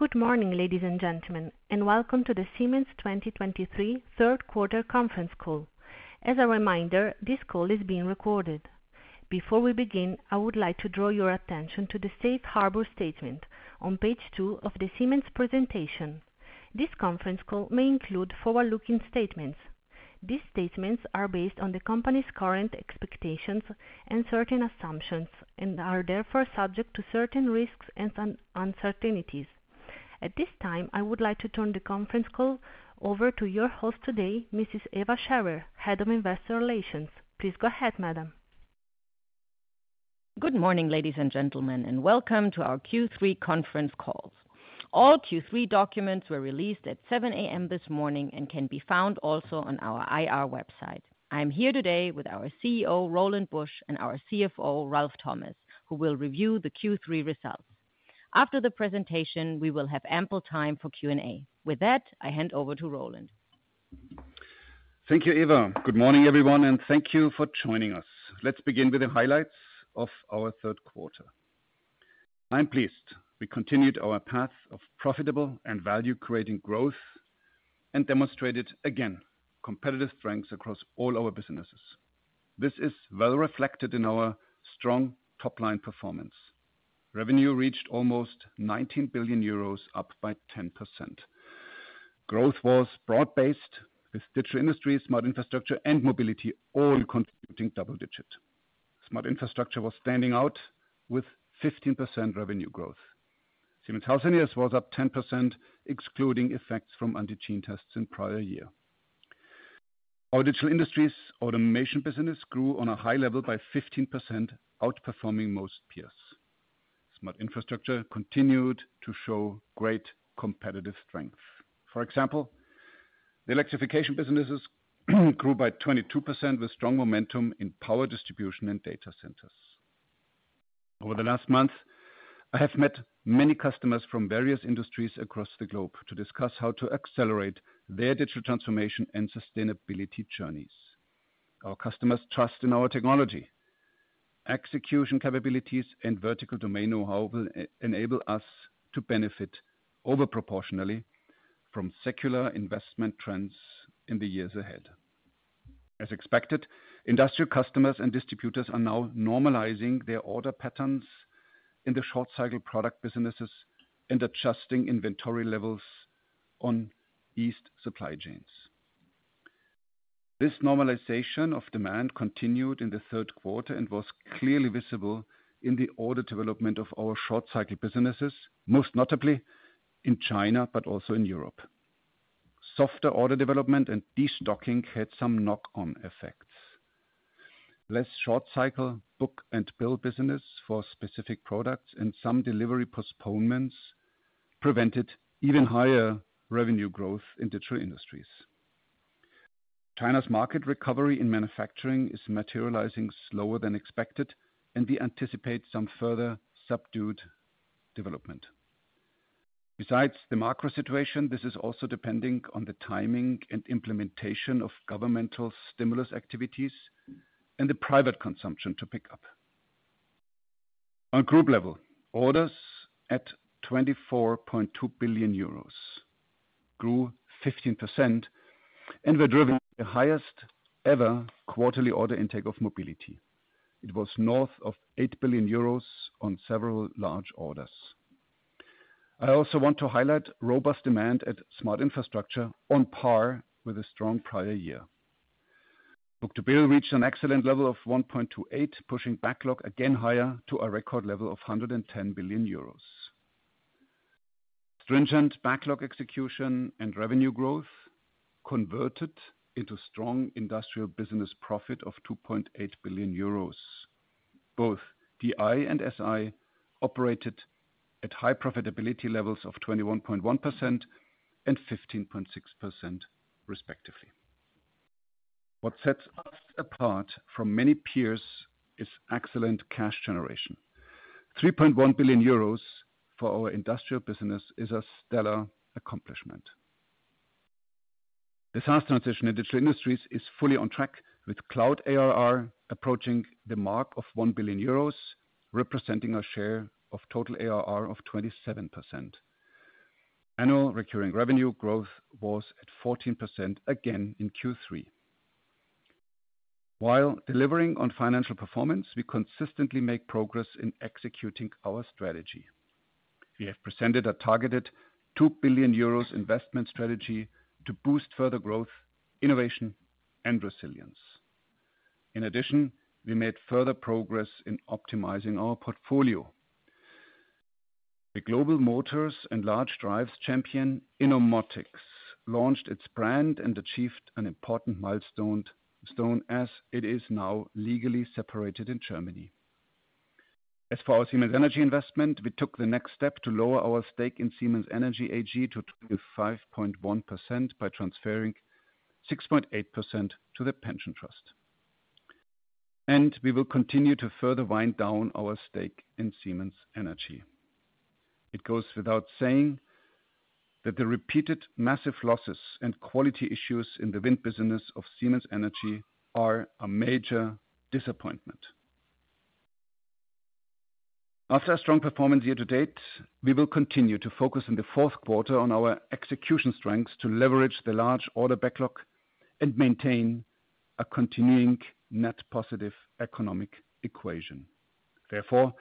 Good morning, ladies and gentlemen, and welcome to the Siemens 2023 third quarter conference call. As a reminder, this call is being recorded. Before we begin, I would like to draw your attention to the safe harbor statement on page two of the Siemens presentation. This conference call may include forward-looking statements. These statements are based on the company's current expectations and certain assumptions and are therefore subject to certain risks and uncertainties. At this time, I would like to turn the conference call over to your host today, Mrs. Eva Scherer, Head of Investor Relations. Please go ahead, madam. Good morning, ladies and gentlemen, and welcome to our Q3 conference call. All Q3 documents were released at 7:00 A.M. this morning and can be found also on our IR website. I'm here today with our CEO, Roland Busch, and our CFO, Ralf Thomas, who will review the Q3 results. After the presentation, we will have ample time for Q&A. With that, I hand over to Roland. Thank you, Eva. Good morning, everyone, and thank you for joining us. Let's begin with the highlights of our third quarter. I'm pleased we continued our path of profitable and value-creating growth and demonstrated again, competitive strengths across all our businesses. This is well reflected in our strong top-line performance. Revenue reached almost 19 billion euros, up by 10%. Growth was broad-based, with Digital Industries, Smart Infrastructure, and Mobility all contributing double digits. Smart Infrastructure was standing out with 15% revenue growth. Siemens Healthineers was up 10%, excluding effects from antigen tests in prior year. Our Digital Industries automation business grew on a high level by 15%, outperforming most peers. Smart Infrastructure continued to show great competitive strength. For example, the electrification businesses grew by 22%, with strong momentum in power distribution and data centers. Over the last month, I have met many customers from various industries across the globe to discuss how to accelerate their digital transformation and sustainability journeys. Our customers trust in our technology, execution capabilities, and vertical domain know-how will enable us to benefit over-proportionally from secular investment trends in the years ahead. As expected, industrial customers and distributors are now normalizing their order patterns in the short-cycle product businesses and adjusting inventory levels on eased supply chains. This normalization of demand continued in the third quarter and was clearly visible in the order development of our short-cycle businesses, most notably in China, also in Europe. Softer order development and destocking had some knock-on effects. Less short-cycle, book-and-bill business for specific products and some delivery postponements prevented even higher revenue growth in Digital Industries. China's market recovery in manufacturing is materializing slower than expected. We anticipate some further subdued development. Besides the macro situation, this is also depending on the timing and implementation of governmental stimulus activities and the private consumption to pick up. On group level, orders at 24.2 billion euros grew 15%. Were driven the highest ever quarterly order intake of Mobility. It was north of 8 billion euros on several large orders. I also want to highlight robust demand at Smart Infrastructure on par with a strong prior year. Book-to-bill reached an excellent level of 1.28, pushing backlog again higher to a record level of 110 billion euros. Stringent backlog execution. Revenue growth converted into strong industrial business profit of 2.8 billion euros. Both DI and SI operated at high profitability levels of 21.1% and 15.6%, respectively. What sets us apart from many peers is excellent cash generation. 3.1 billion euros for our industrial business is a stellar accomplishment. The SaaS transition in Digital Industries is fully on track, with cloud ARR approaching the mark of 1 billion euros, representing a share of total ARR of 27%. Annual recurring revenue growth was at 14% again in Q3. While delivering on financial performance, we consistently make progress in executing our strategy. We have presented a targeted 2 billion euros investment strategy to boost further growth, innovation, and resilience. We made further progress in optimizing our portfolio. The Global Motors and Large Drives champion, Innomotics, launched its brand and achieved an important milestone, as it is now legally separated in Germany. As for our Siemens Energy investment, we took the next step to lower our stake in Siemens Energy AG to 25.1% by transferring 6.8% to the Pension Trust. We will continue to further wind down our stake in Siemens Energy. It goes without saying that the repeated massive losses and quality issues in the wind business of Siemens Energy are a major disappointment. After a strong performance year-to-date, we will continue to focus in the fourth quarter on our execution strengths to leverage the large order backlog and maintain a continuing net positive economic equation. Therefore,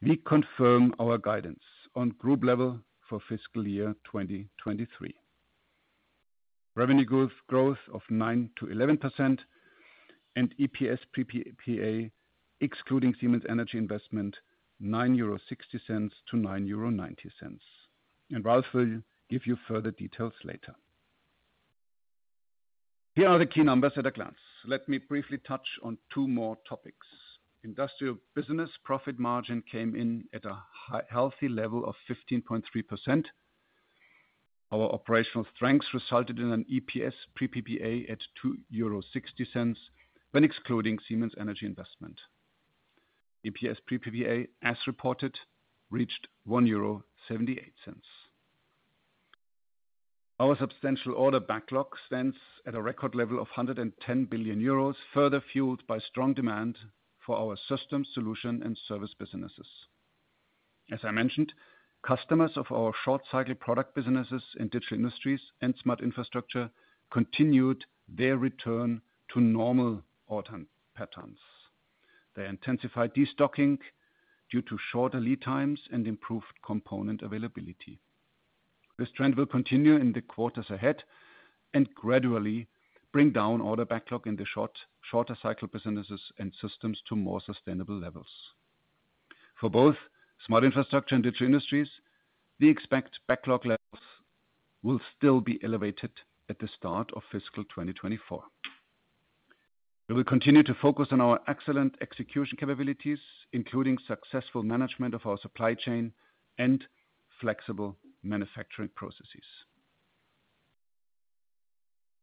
we confirm our guidance on group level for fiscal year 2023. Revenue growth, growth of 9%-11% and EPS PPA, excluding Siemens Energy investment, 9.60-9.90 euro. Ralf will give you further details later. Here are the key numbers at a glance. Let me briefly touch on two more topics. Industrial business profit margin came in at a healthy level of 15.3%. Our operational strengths resulted in an EPS pre PPA at 2.60 euro, when excluding Siemens Energy investment. EPS pre PPA, as reported, reached 1.78 euro. Our substantial order backlog stands at a record level of 110 billion euros, further fueled by strong demand for our system, solution, and service businesses. As I mentioned, customers of our short-cycle product businesses in Digital Industries and Smart Infrastructure continued their return to normal order patterns. They intensified destocking due to shorter lead times and improved component availability. This trend will continue in the quarters ahead and gradually bring down order backlog in the shorter cycle businesses and systems to more sustainable levels. For both Smart Infrastructure and Digital Industries, we expect backlog levels will still be elevated at the start of fiscal 2024. We will continue to focus on our excellent execution capabilities, including successful management of our supply chain and flexible manufacturing processes.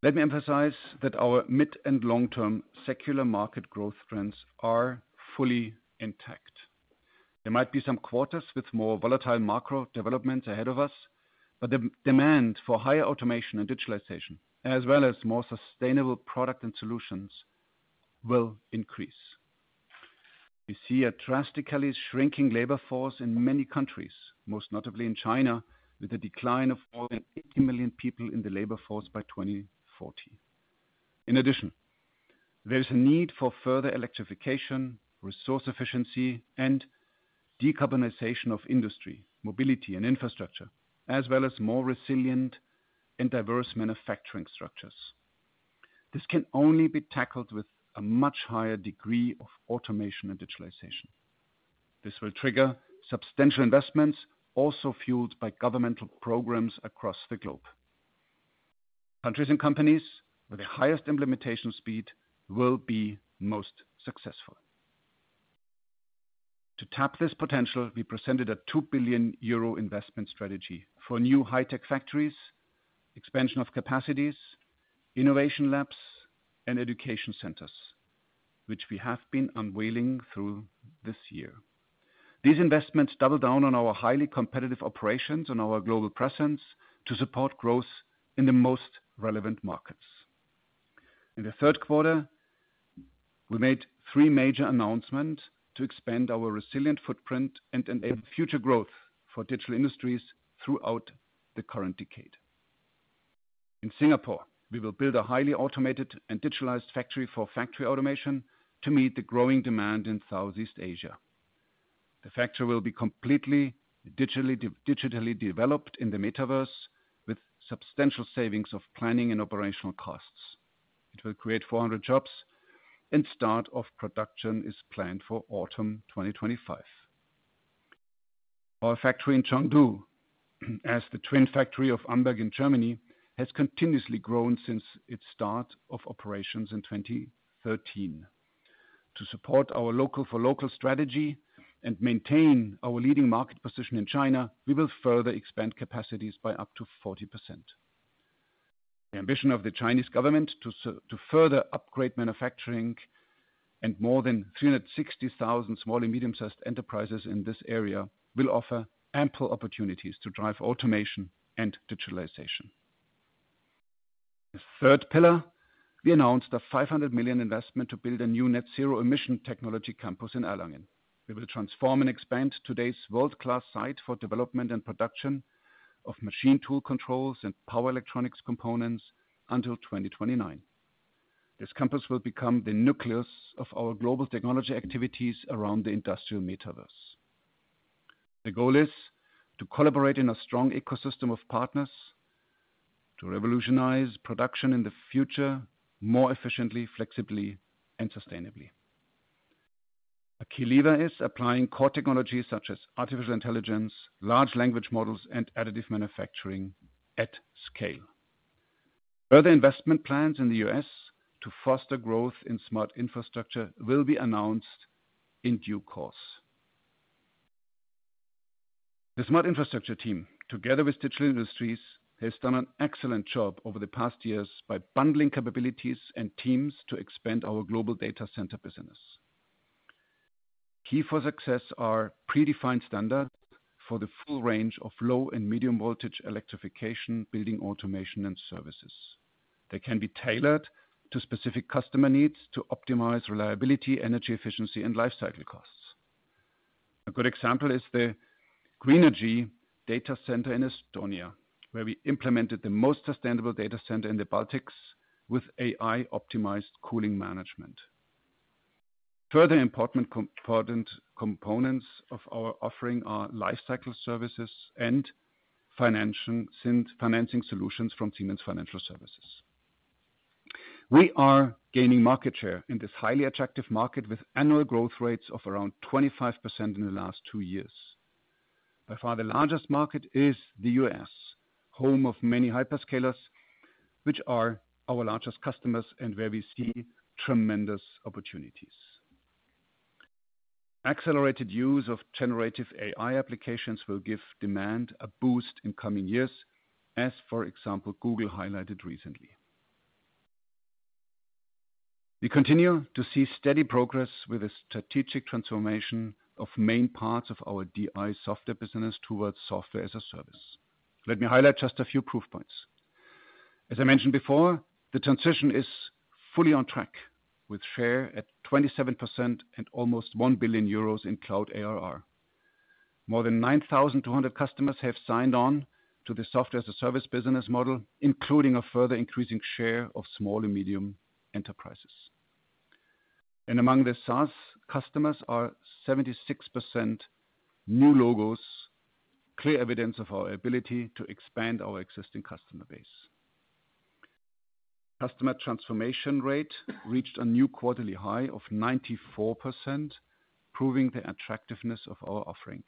Let me emphasize that our mid- and long-term secular market growth trends are fully intact. There might be some quarters with more volatile macro developments ahead of us, but the demand for higher automation and digitalization, as well as more sustainable product and solutions, will increase. We see a drastically shrinking labor force in many countries, most notably in China, with a decline of more than 80 million people in the labor force by 2040. In addition, there is a need for further electrification, resource efficiency, and decarbonization of industry, mobility, and infrastructure, as well as more resilient and diverse manufacturing structures. This can only be tackled with a much higher degree of automation and digitalization. This will trigger substantial investments, also fueled by governmental programs across the globe. Countries and companies with the highest implementation speed will be most successful. To tap this potential, we presented a 2 billion euro investment strategy for new high-tech factories, expansion of capacities, innovation labs, and education centers, which we have been unveiling through this year. These investments double down on our highly competitive operations and our global presence to support growth in the most relevant markets. In the third quarter, we made 3 major announcements to expand our resilient footprint and enable future growth for Digital Industries throughout the current decade. In Singapore, we will build a highly automated and digitalized factory for factory automation to meet the growing demand in Southeast Asia. The factory will be completely digitally developed in the metaverse, with substantial savings of planning and operational costs. It will create 400 jobs, and start of production is planned for autumn 2025. Our factory in Chengdu, as the twin factory of Amberg in Germany, has continuously grown since its start of operations in 2013. To support our local-for-local strategy and maintain our leading market position in China, we will further expand capacities by up to 40%. The ambition of the Chinese government to further upgrade manufacturing and more than 360,000 small and medium-sized enterprises in this area, will offer ample opportunities to drive automation and digitalization. The third pillar, we announced a 500 million investment to build a new net zero emission technology campus in Erlangen. We will transform and expand today's world-class site for development and production of machine tool controls and power electronics components until 2029. This campus will become the nucleus of our global technology activities around the industrial metaverse. The goal is to collaborate in a strong ecosystem of partners, to revolutionize production in the future, more efficiently, flexibly, and sustainably. A key lever is applying core technologies such as artificial intelligence, large language models, and additive manufacturing at scale. Further investment plans in the U.S. to foster growth in Smart Infrastructure will be announced in due course. The Smart Infrastructure team, together with Digital Industries, has done an excellent job over the past years by bundling capabilities and teams to expand our global data center business. Key for success are predefined standards for the full range of low and medium voltage electrification, building automation, and services. They can be tailored to specific customer needs to optimize reliability, energy efficiency, and life cycle costs. A good example is the Greenergy Data Center in Estonia, where we implemented the most sustainable data center in the Baltics with AI-optimized cooling management. Further important components of our offering are life cycle services and financing solutions from Siemens Financial Services. We are gaining market share in this highly attractive market, with annual growth rates of around 25% in the last two years. By far, the largest market is the U.S., home of many hyperscalers, which are our largest customers and where we see tremendous opportunities. Accelerated use of generative AI applications will give demand a boost in coming years, as, for example, Google highlighted recently. We continue to see steady progress with a strategic transformation of main parts of our DI software business towards software-as-a-service. Let me highlight just a few proof points. As I mentioned before, the transition is fully on track, with share at 27% and almost 1 billion euros in cloud ARR. More than 9,200 customers have signed on to the software-as-a-service business model, including a further increasing share of small and medium enterprises. Among the SaaS customers are 76% new logos, clear evidence of our ability to expand our existing customer base. Customer transformation rate reached a new quarterly high of 94%, proving the attractiveness of our offering.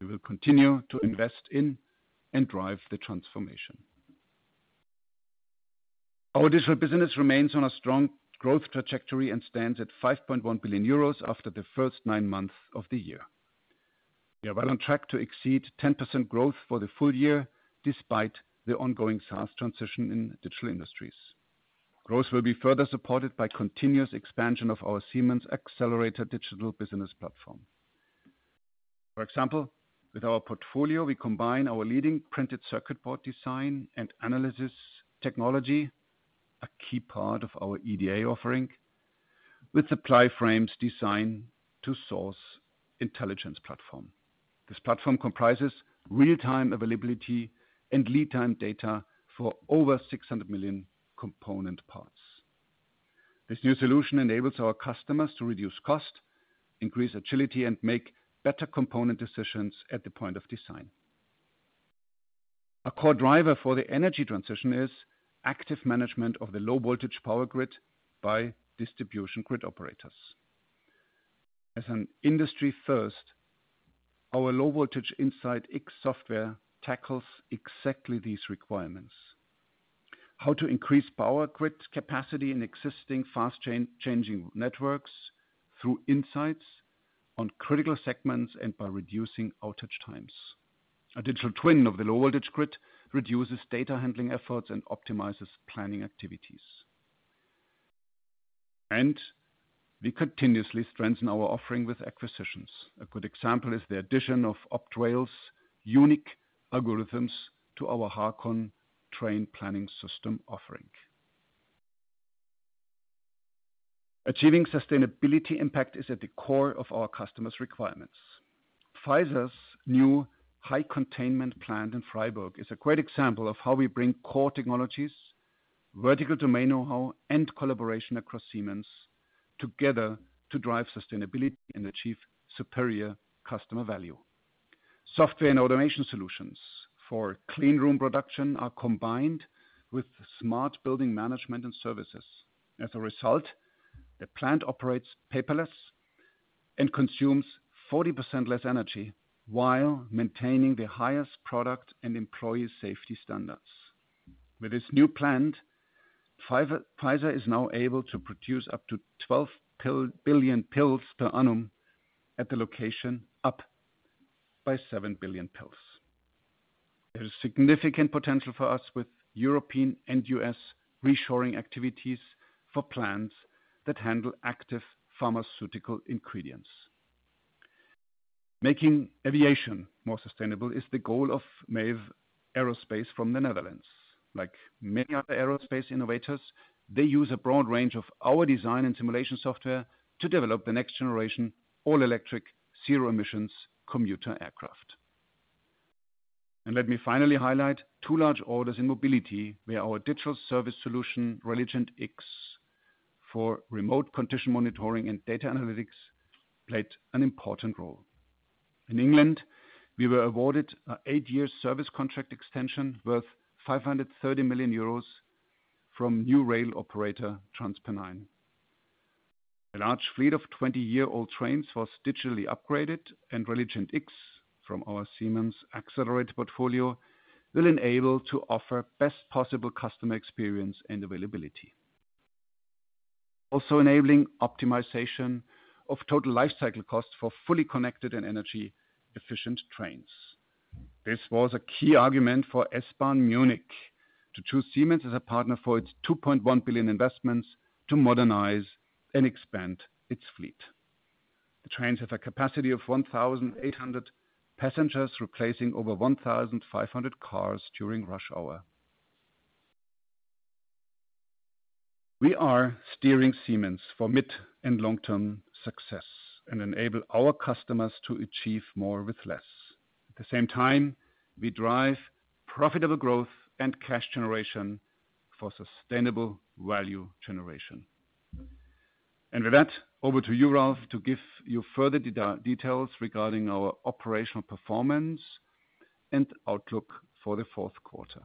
We will continue to invest in and drive the transformation. Our digital business remains on a strong growth trajectory and stands at 5.1 billion euros after the first nine months of the year. We are well on track to exceed 10% growth for the full year, despite the ongoing SaaS transition in Digital Industries. Growth will be further supported by continuous expansion of our Siemens Xcelerator digital business platform. For example, with our portfolio, we combine our leading printed circuit board design and analysis technology, a key part of our EDA offering, with Supplyframe's design to source intelligence platform. This platform comprises real-time availability and lead time data for over 600 million component parts. This new solution enables our customers to reduce cost, increase agility, and make better component decisions at the point of design. A core driver for the energy transition is active management of the low-voltage power grid by distribution grid operators. As an industry first, our Low Voltage Insight X software tackles exactly these requirements. How to increase power grid capacity in existing fast changing networks through insights on critical segments and by reducing outage times. A digital twin of the low-voltage grid reduces data handling efforts and optimizes planning activities. We continuously strengthen our offering with acquisitions. A good example is the addition of Optrail's unique algorithms to our Hacon train planning system offering. Achieving sustainability impact is at the core of our customers' requirements. Pfizer's new high containment plant in Freiburg is a great example of how we bring core technologies, vertical domain know-how, and collaboration across Siemens together to drive sustainability and achieve superior customer value. Software and automation solutions for clean room production are combined with smart building management and services. As a result, the plant operates paperless and consumes 40% less energy, while maintaining the highest product and employee safety standards. With this new plant, Pfizer is now able to produce up to 12 billion pills per annum at the location, up by 7 billion pills. There is significant potential for us with European and U.S. reshoring activities for plants that handle active pharmaceutical ingredients. Making aviation more sustainable is the goal of Maeve Aerospace from the Netherlands. Like many other aerospace innovators, they use a broad range of our design and simulation software to develop the next generation, all-electric, zero-emissions commuter aircraft. Let me finally highlight two large orders in mobility, where our digital service solution, Railigent X, for remote condition monitoring and data analytics, played an important role. In England, we were awarded an eight-year service contract extension worth 530 million euros from new rail operator, TransPennine. A large fleet of 20-year-old trains was digitally upgraded, Railigent X, from our Siemens Xcelerator portfolio, will enable to offer best possible customer experience and availability. Also enabling optimization of total life cycle costs for fully connected and energy-efficient trains. This was a key argument for S-Bahn Munich to choose Siemens as a partner for its $2.1 billion investments to modernize and expand its fleet. The trains have a capacity of 1,800 passengers, replacing over 1,500 cars during rush hour. We are steering Siemens for mid and long-term success, enable our customers to achieve more with less. At the same time, we drive profitable growth and cash generation for sustainable value generation. With that, over to you, Ralf, to give you further details regarding our operational performance and outlook for the fourth quarter.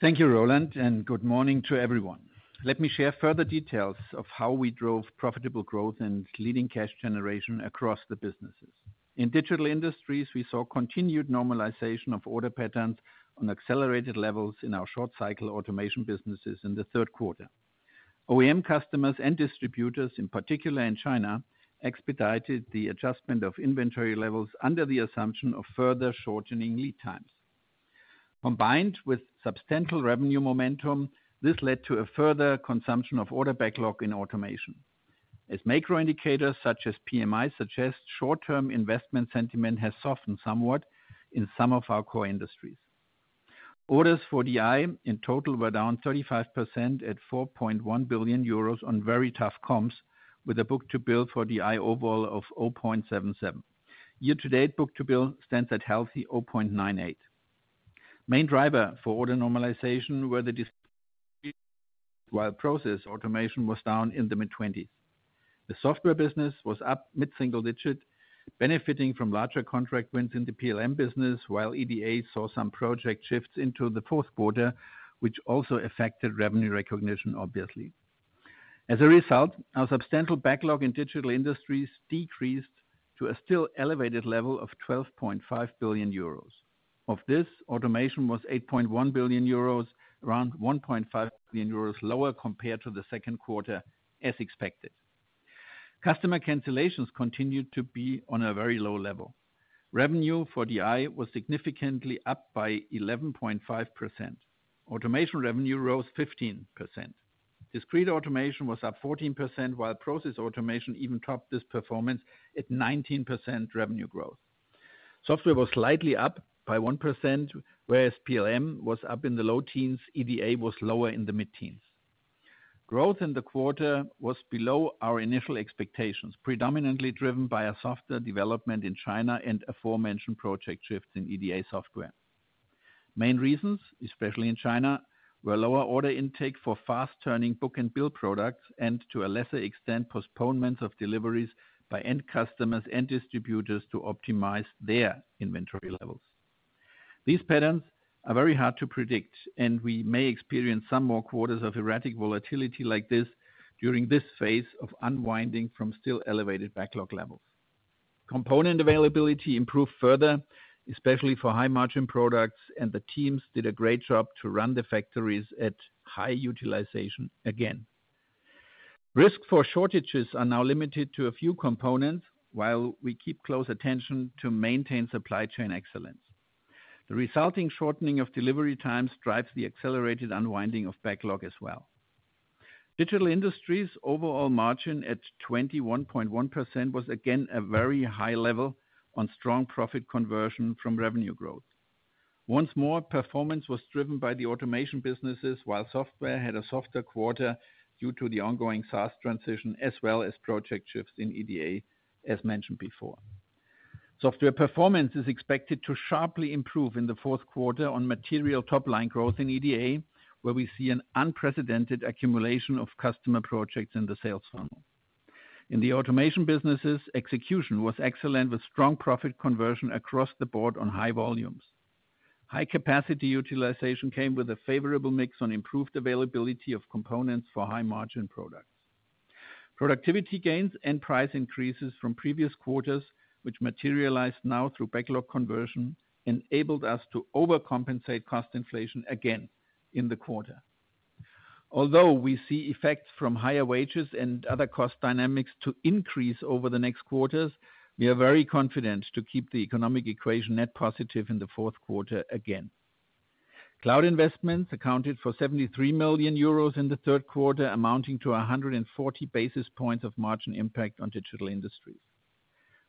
Thank you, Roland. Good morning to everyone. Let me share further details of how we drove profitable growth and leading cash generation across the businesses. In Digital Industries, we saw continued normalization of order patterns on accelerated levels in our short cycle automation businesses in the third quarter. OEM customers and distributors, in particular in China, expedited the adjustment of inventory levels under the assumption of further shortening lead times. Combined with substantial revenue momentum, this led to a further consumption of order backlog in automation. As macro indicators, such as PMI, suggest short-term investment sentiment has softened somewhat in some of our core industries. Orders for DI in total were down 35% at 4.1 billion euros on very tough comps, with a book-to-bill for DI overall of 0.77. Year-to-date book-to-bill stands at healthy 0.98. Main driver for order normalization were while process automation was down in the mid-20s. The software business was up mid-single digit, benefiting from larger contract wins in the PLM business, while EDA saw some project shifts into the fourth quarter, which also affected revenue recognition, obviously. As a result, our substantial backlog in Digital Industries decreased to a still elevated level of 12.5 billion euros. Of this, automation was 8.1 billion euros, around 1.5 billion euros lower compared to the second quarter, as expected. Customer cancellations continued to be on a very low level. Revenue for DI was significantly up by 11.5%. Automation revenue rose 15%. Discrete automation was up 14%, while process automation even topped this performance at 19% revenue growth. Software was slightly up by 1%, whereas PLM was up in the low teens. EDA was lower in the mid-teens. Growth in the quarter was below our initial expectations, predominantly driven by a softer development in China and aforementioned project shifts in EDA software. Main reasons, especially in China, were lower order intake for fast-turning book-and-bill products, and to a lesser extent, postponement of deliveries by end customers and distributors to optimize their inventory levels. These patterns are very hard to predict, and we may experience some more quarters of erratic volatility like this during this phase of unwinding from still elevated backlog levels. Component availability improved further, especially for high-margin products, and the teams did a great job to run the factories at high utilization again. Risk for shortages are now limited to a few components, while we keep close attention to maintain supply chain excellence. The resulting shortening of delivery times drives the accelerated unwinding of backlog as well. Digital Industries' overall margin at 21.1% was again, a very high level on strong profit conversion from revenue growth. Once more, performance was driven by the automation businesses, while software had a softer quarter due to the ongoing SaaS transition, as well as project shifts in EDA, as mentioned before. Software performance is expected to sharply improve in the fourth quarter on material top-line growth in EDA, where we see an unprecedented accumulation of customer projects in the sales funnel. In the automation businesses, execution was excellent, with strong profit conversion across the board on high volumes. High capacity utilization came with a favorable mix on improved availability of components for high-margin products. Productivity gains and price increases from previous quarters, which materialized now through backlog conversion, enabled us to overcompensate cost inflation again in the quarter. Although we see effects from higher wages and other cost dynamics to increase over the next quarters, we are very confident to keep the economic equation net positive in the fourth quarter again. Cloud investments accounted for 73 million euros in the third quarter, amounting to 140 basis points of margin impact on Digital Industries.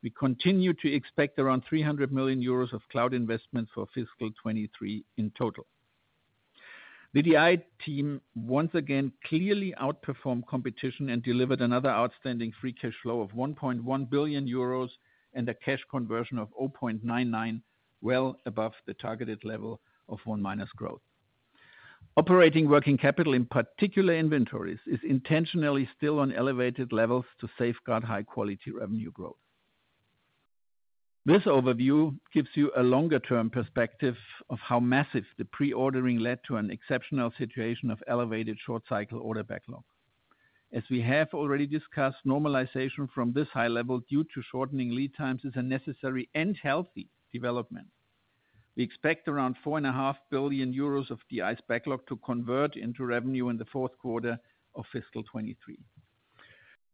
We continue to expect around 300 million euros of cloud investments for fiscal 2023 in total. The DI team, once again, clearly outperformed competition and delivered another outstanding free cash flow of 1.1 billion euros and a cash conversion of 0.99, well above the targeted level of 1- growth. Operating working capital, in particular inventories, is intentionally still on elevated levels to safeguard high-quality revenue growth. This overview gives you a longer-term perspective of how massive the pre-ordering led to an exceptional situation of elevated short-cycle order backlog. As we have already discussed, normalization from this high level, due to shortening lead times, is a necessary and healthy development. We expect around 4.5 billion euros of DI's backlog to convert into revenue in the fourth quarter of fiscal 2023.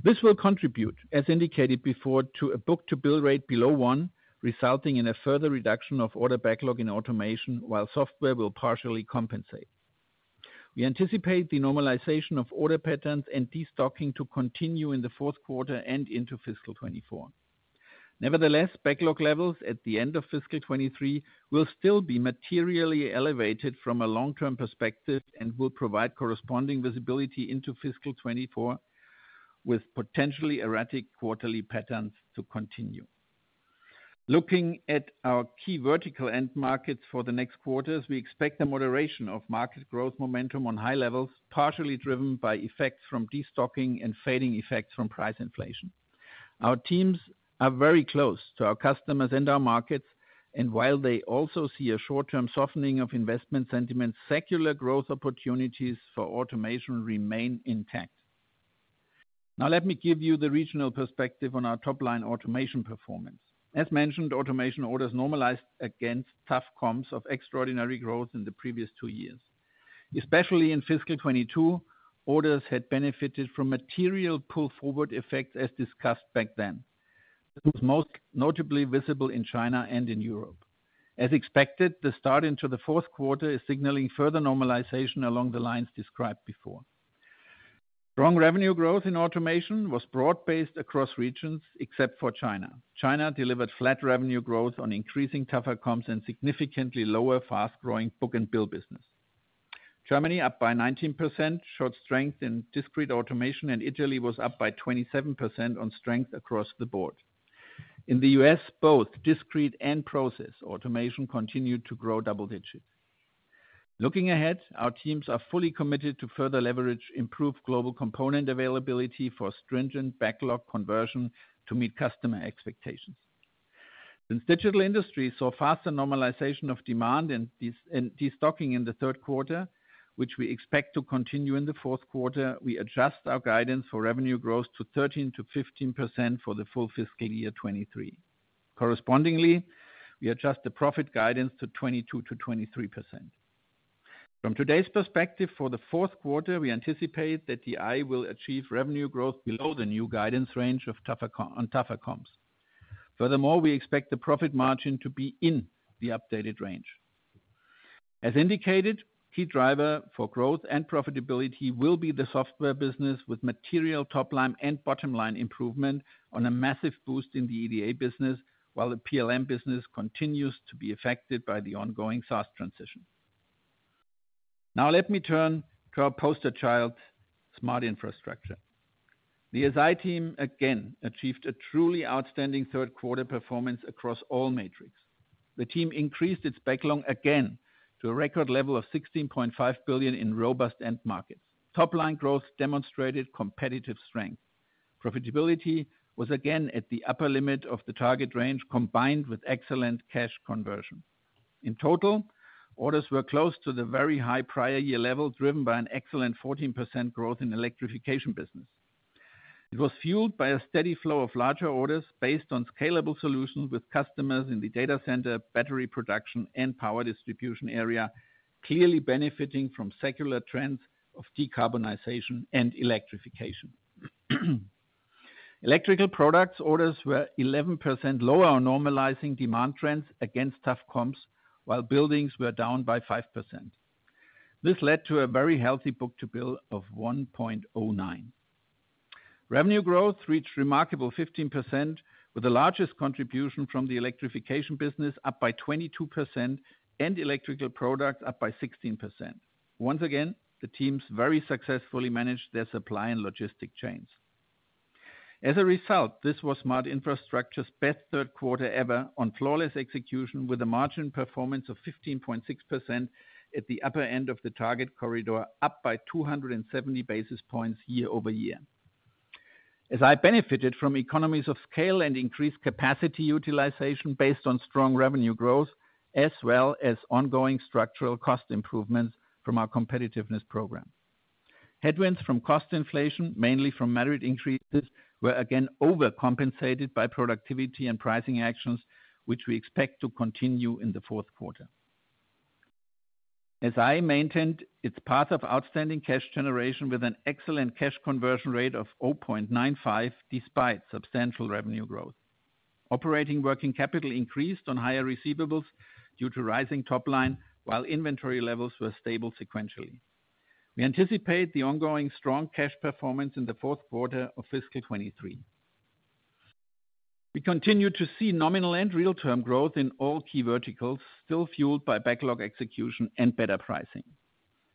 This will contribute, as indicated before, to a book-to-bill rate below 1, resulting in a further reduction of order backlog in automation, while software will partially compensate. We anticipate the normalization of order patterns and destocking to continue in the fourth quarter and into fiscal 2024. Nevertheless, backlog levels at the end of fiscal 2023 will still be materially elevated from a long-term perspective and will provide corresponding visibility into fiscal 2024, with potentially erratic quarterly patterns to continue. Looking at our key vertical end markets for the next quarters, we expect a moderation of market growth momentum on high levels, partially driven by effects from destocking and fading effects from price inflation. Our teams are very close to our customers and our markets, and while they also see a short-term softening of investment sentiment, secular growth opportunities for automation remain intact. Now, let me give you the regional perspective on our top-line automation performance. As mentioned, automation orders normalized against tough comps of extraordinary growth in the previous 2 years. Especially in fiscal 2022, orders had benefited from material pull-forward effects, as discussed back then. It was most notably visible in China and in Europe. As expected, the start into the fourth quarter is signaling further normalization along the lines described before. Strong revenue growth in automation was broad-based across regions, except for China. China delivered flat revenue growth on increasing tougher comps and significantly lower, fast-growing book-and-bill business. Germany, up by 19%, showed strength in discrete automation, and Italy was up by 27% on strength across the board. In the U.S., both discrete and process automation continued to grow double digits. Looking ahead, our teams are fully committed to further leverage improved global component availability for stringent backlog conversion to meet customer expectations. Since Digital Industries saw faster normalization of demand and destocking in the third quarter, which we expect to continue in the fourth quarter, we adjust our guidance for revenue growth to 13%-15% for the full fiscal year 2023. Correspondingly, we adjust the profit guidance to 22%-23%. From today's perspective, for the fourth quarter, we anticipate that DI will achieve revenue growth below the new guidance range of tougher on tougher comps. We expect the profit margin to be in the updated range. As indicated, key driver for growth and profitability will be the software business, with material top line and bottom-line improvement on a massive boost in the EDA business, while the PLM business continues to be affected by the ongoing SaaS transition. Let me turn to our poster child, Smart Infrastructure. The SI team again achieved a truly outstanding third quarter performance across all metrics. The team increased its backlog again to a record level of 16.5 billion in robust end markets. Top-line growth demonstrated competitive strength. Profitability was again at the upper limit of the target range, combined with excellent cash conversion. In total, orders were close to the very high prior year level, driven by an excellent 14% growth in electrification business. It was fueled by a steady flow of larger orders based on scalable solutions with customers in the data center, battery production and power distribution area, clearly benefiting from secular trends of decarbonization and electrification. Electrical products orders were 11% lower on normalizing demand trends against tough comps, while buildings were down by 5%. This led to a very healthy book-to-bill of 1.09. Revenue growth reached remarkable 15%, with the largest contribution from the electrification business up by 22% and electrical products up by 16%. Once again, the teams very successfully managed their supply and logistic chains. This was Smart Infrastructure's best third quarter ever on flawless execution, with a margin performance of 15.6% at the upper end of the target corridor, up by 270 basis points year-over-year. SI benefited from economies of scale and increased capacity utilization based on strong revenue growth, as well as ongoing structural cost improvements from our competitiveness program. Headwinds from cost inflation, mainly from moderate increases, were again overcompensated by productivity and pricing actions, which we expect to continue in the fourth quarter. SI maintained its part of outstanding cash generation with an excellent cash conversion rate of 0.95, despite substantial revenue growth. Operating working capital increased on higher receivables due to rising top line, while inventory levels were stable sequentially. We anticipate the ongoing strong cash performance in the fourth quarter of fiscal 2023. We continue to see nominal and real-term growth in all key verticals, still fueled by backlog execution and better pricing.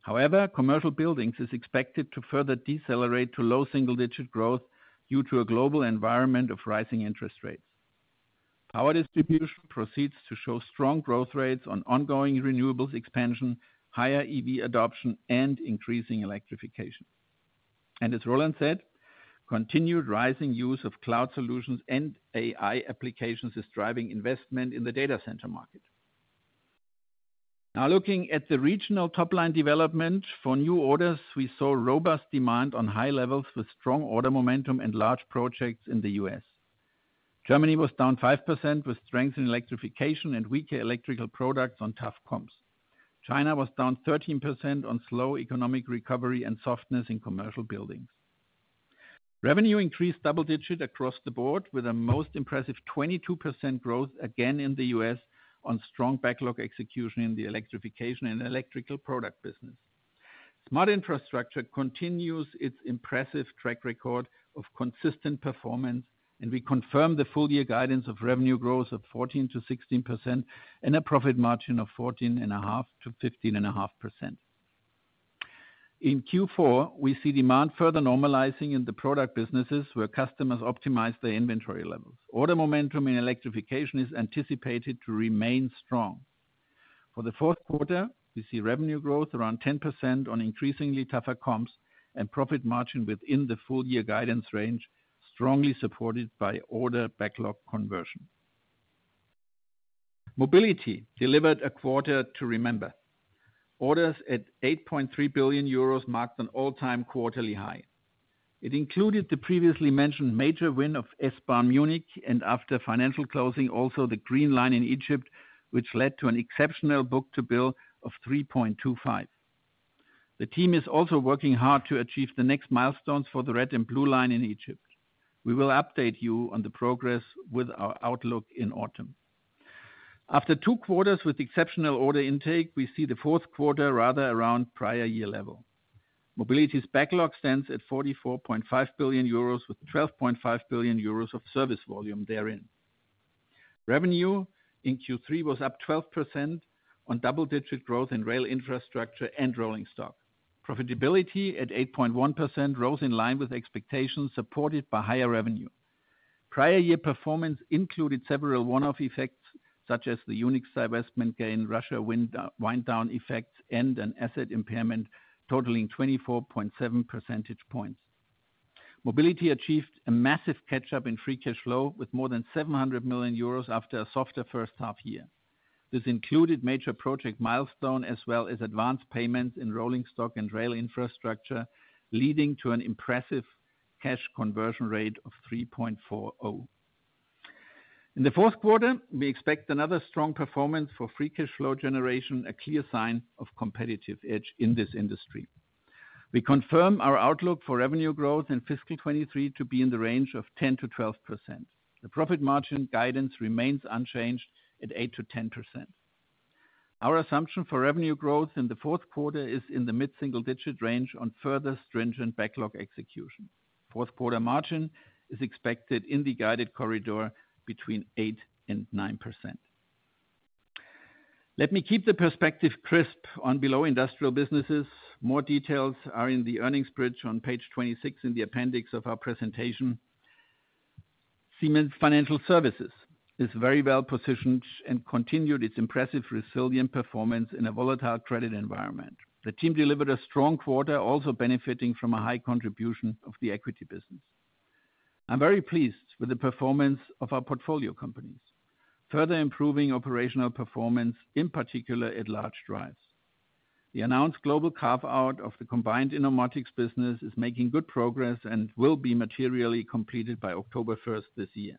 However, commercial buildings is expected to further decelerate to low single-digit growth due to a global environment of rising interest rates. Power distribution proceeds to show strong growth rates on ongoing renewables expansion, higher EV adoption, and increasing electrification. As Roland said, continued rising use of cloud solutions and AI applications is driving investment in the data center market. Now, looking at the regional top-line development for new orders, we saw robust demand on high levels with strong order momentum and large projects in the U.S. Germany was down 5%, with strength in electrification and weaker electrical products on tough comps. China was down 13% on slow economic recovery and softness in commercial buildings.... Revenue increased double digit across the board, with a most impressive 22% growth, again in the U.S., on strong backlog execution in the electrification and electrical product business. Smart Infrastructure continues its impressive track record of consistent performance. We confirm the full year guidance of revenue growth of 14%-16% and a profit margin of 14.5%-15.5%. In Q4, we see demand further normalizing in the product businesses, where customers optimize their inventory levels. Order momentum in electrification is anticipated to remain strong. For the fourth quarter, we see revenue growth around 10% on increasingly tougher comps and profit margin within the full year guidance range, strongly supported by order backlog conversion. Mobility delivered a quarter to remember. Orders at 8.3 billion euros marked an all-time quarterly high. It included the previously mentioned major win of S-Bahn Munich. After financial closing, also the Green Line in Egypt, which led to an exceptional book-to-bill of 3.25. The team is also working hard to achieve the next milestones for the Red and Blue Line in Egypt. We will update you on the progress with our outlook in autumn. After 2 quarters with exceptional order intake, we see the 4th quarter rather around prior year level. Mobility's backlog stands at 44.5 billion euros, with 12.5 billion euros of service volume therein. Revenue in Q3 was up 12% on double-digit growth in rail infrastructure and rolling stock. Profitability at 8.1% rose in line with expectations, supported by higher revenue. Prior year performance included several one-off effects, such as the Yunex divestment gain, Russia wind down effects, and an asset impairment totaling 24.7 percentage points. Mobility achieved a massive catch up in free cash flow with more than 700 million euros after a softer first half year. This included major project milestone, as well as advanced payments in rolling stock and rail infrastructure, leading to an impressive cash conversion rate of 3.40. In the fourth quarter, we expect another strong performance for free cash flow generation, a clear sign of competitive edge in this industry. We confirm our outlook for revenue growth in fiscal 2023 to be in the range of 10%-12%. The profit margin guidance remains unchanged at 8%-10%. Our assumption for revenue growth in the fourth quarter is in the mid-single digit range on further stringent backlog execution. Fourth quarter margin is expected in the guided corridor between 8% and 9%. Let me keep the perspective crisp on below industrial businesses. More details are in the earnings bridge on page 26 in the appendix of our presentation. Siemens Financial Services is very well positioned and continued its impressive, resilient performance in a volatile credit environment. The team delivered a strong quarter, also benefiting from a high contribution of the equity business. I'm very pleased with the performance of our portfolio companies, further improving operational performance, in particular at large drives. The announced global carve-out of the combined Innomotics business is making good progress and will be materially completed by October 1st this year.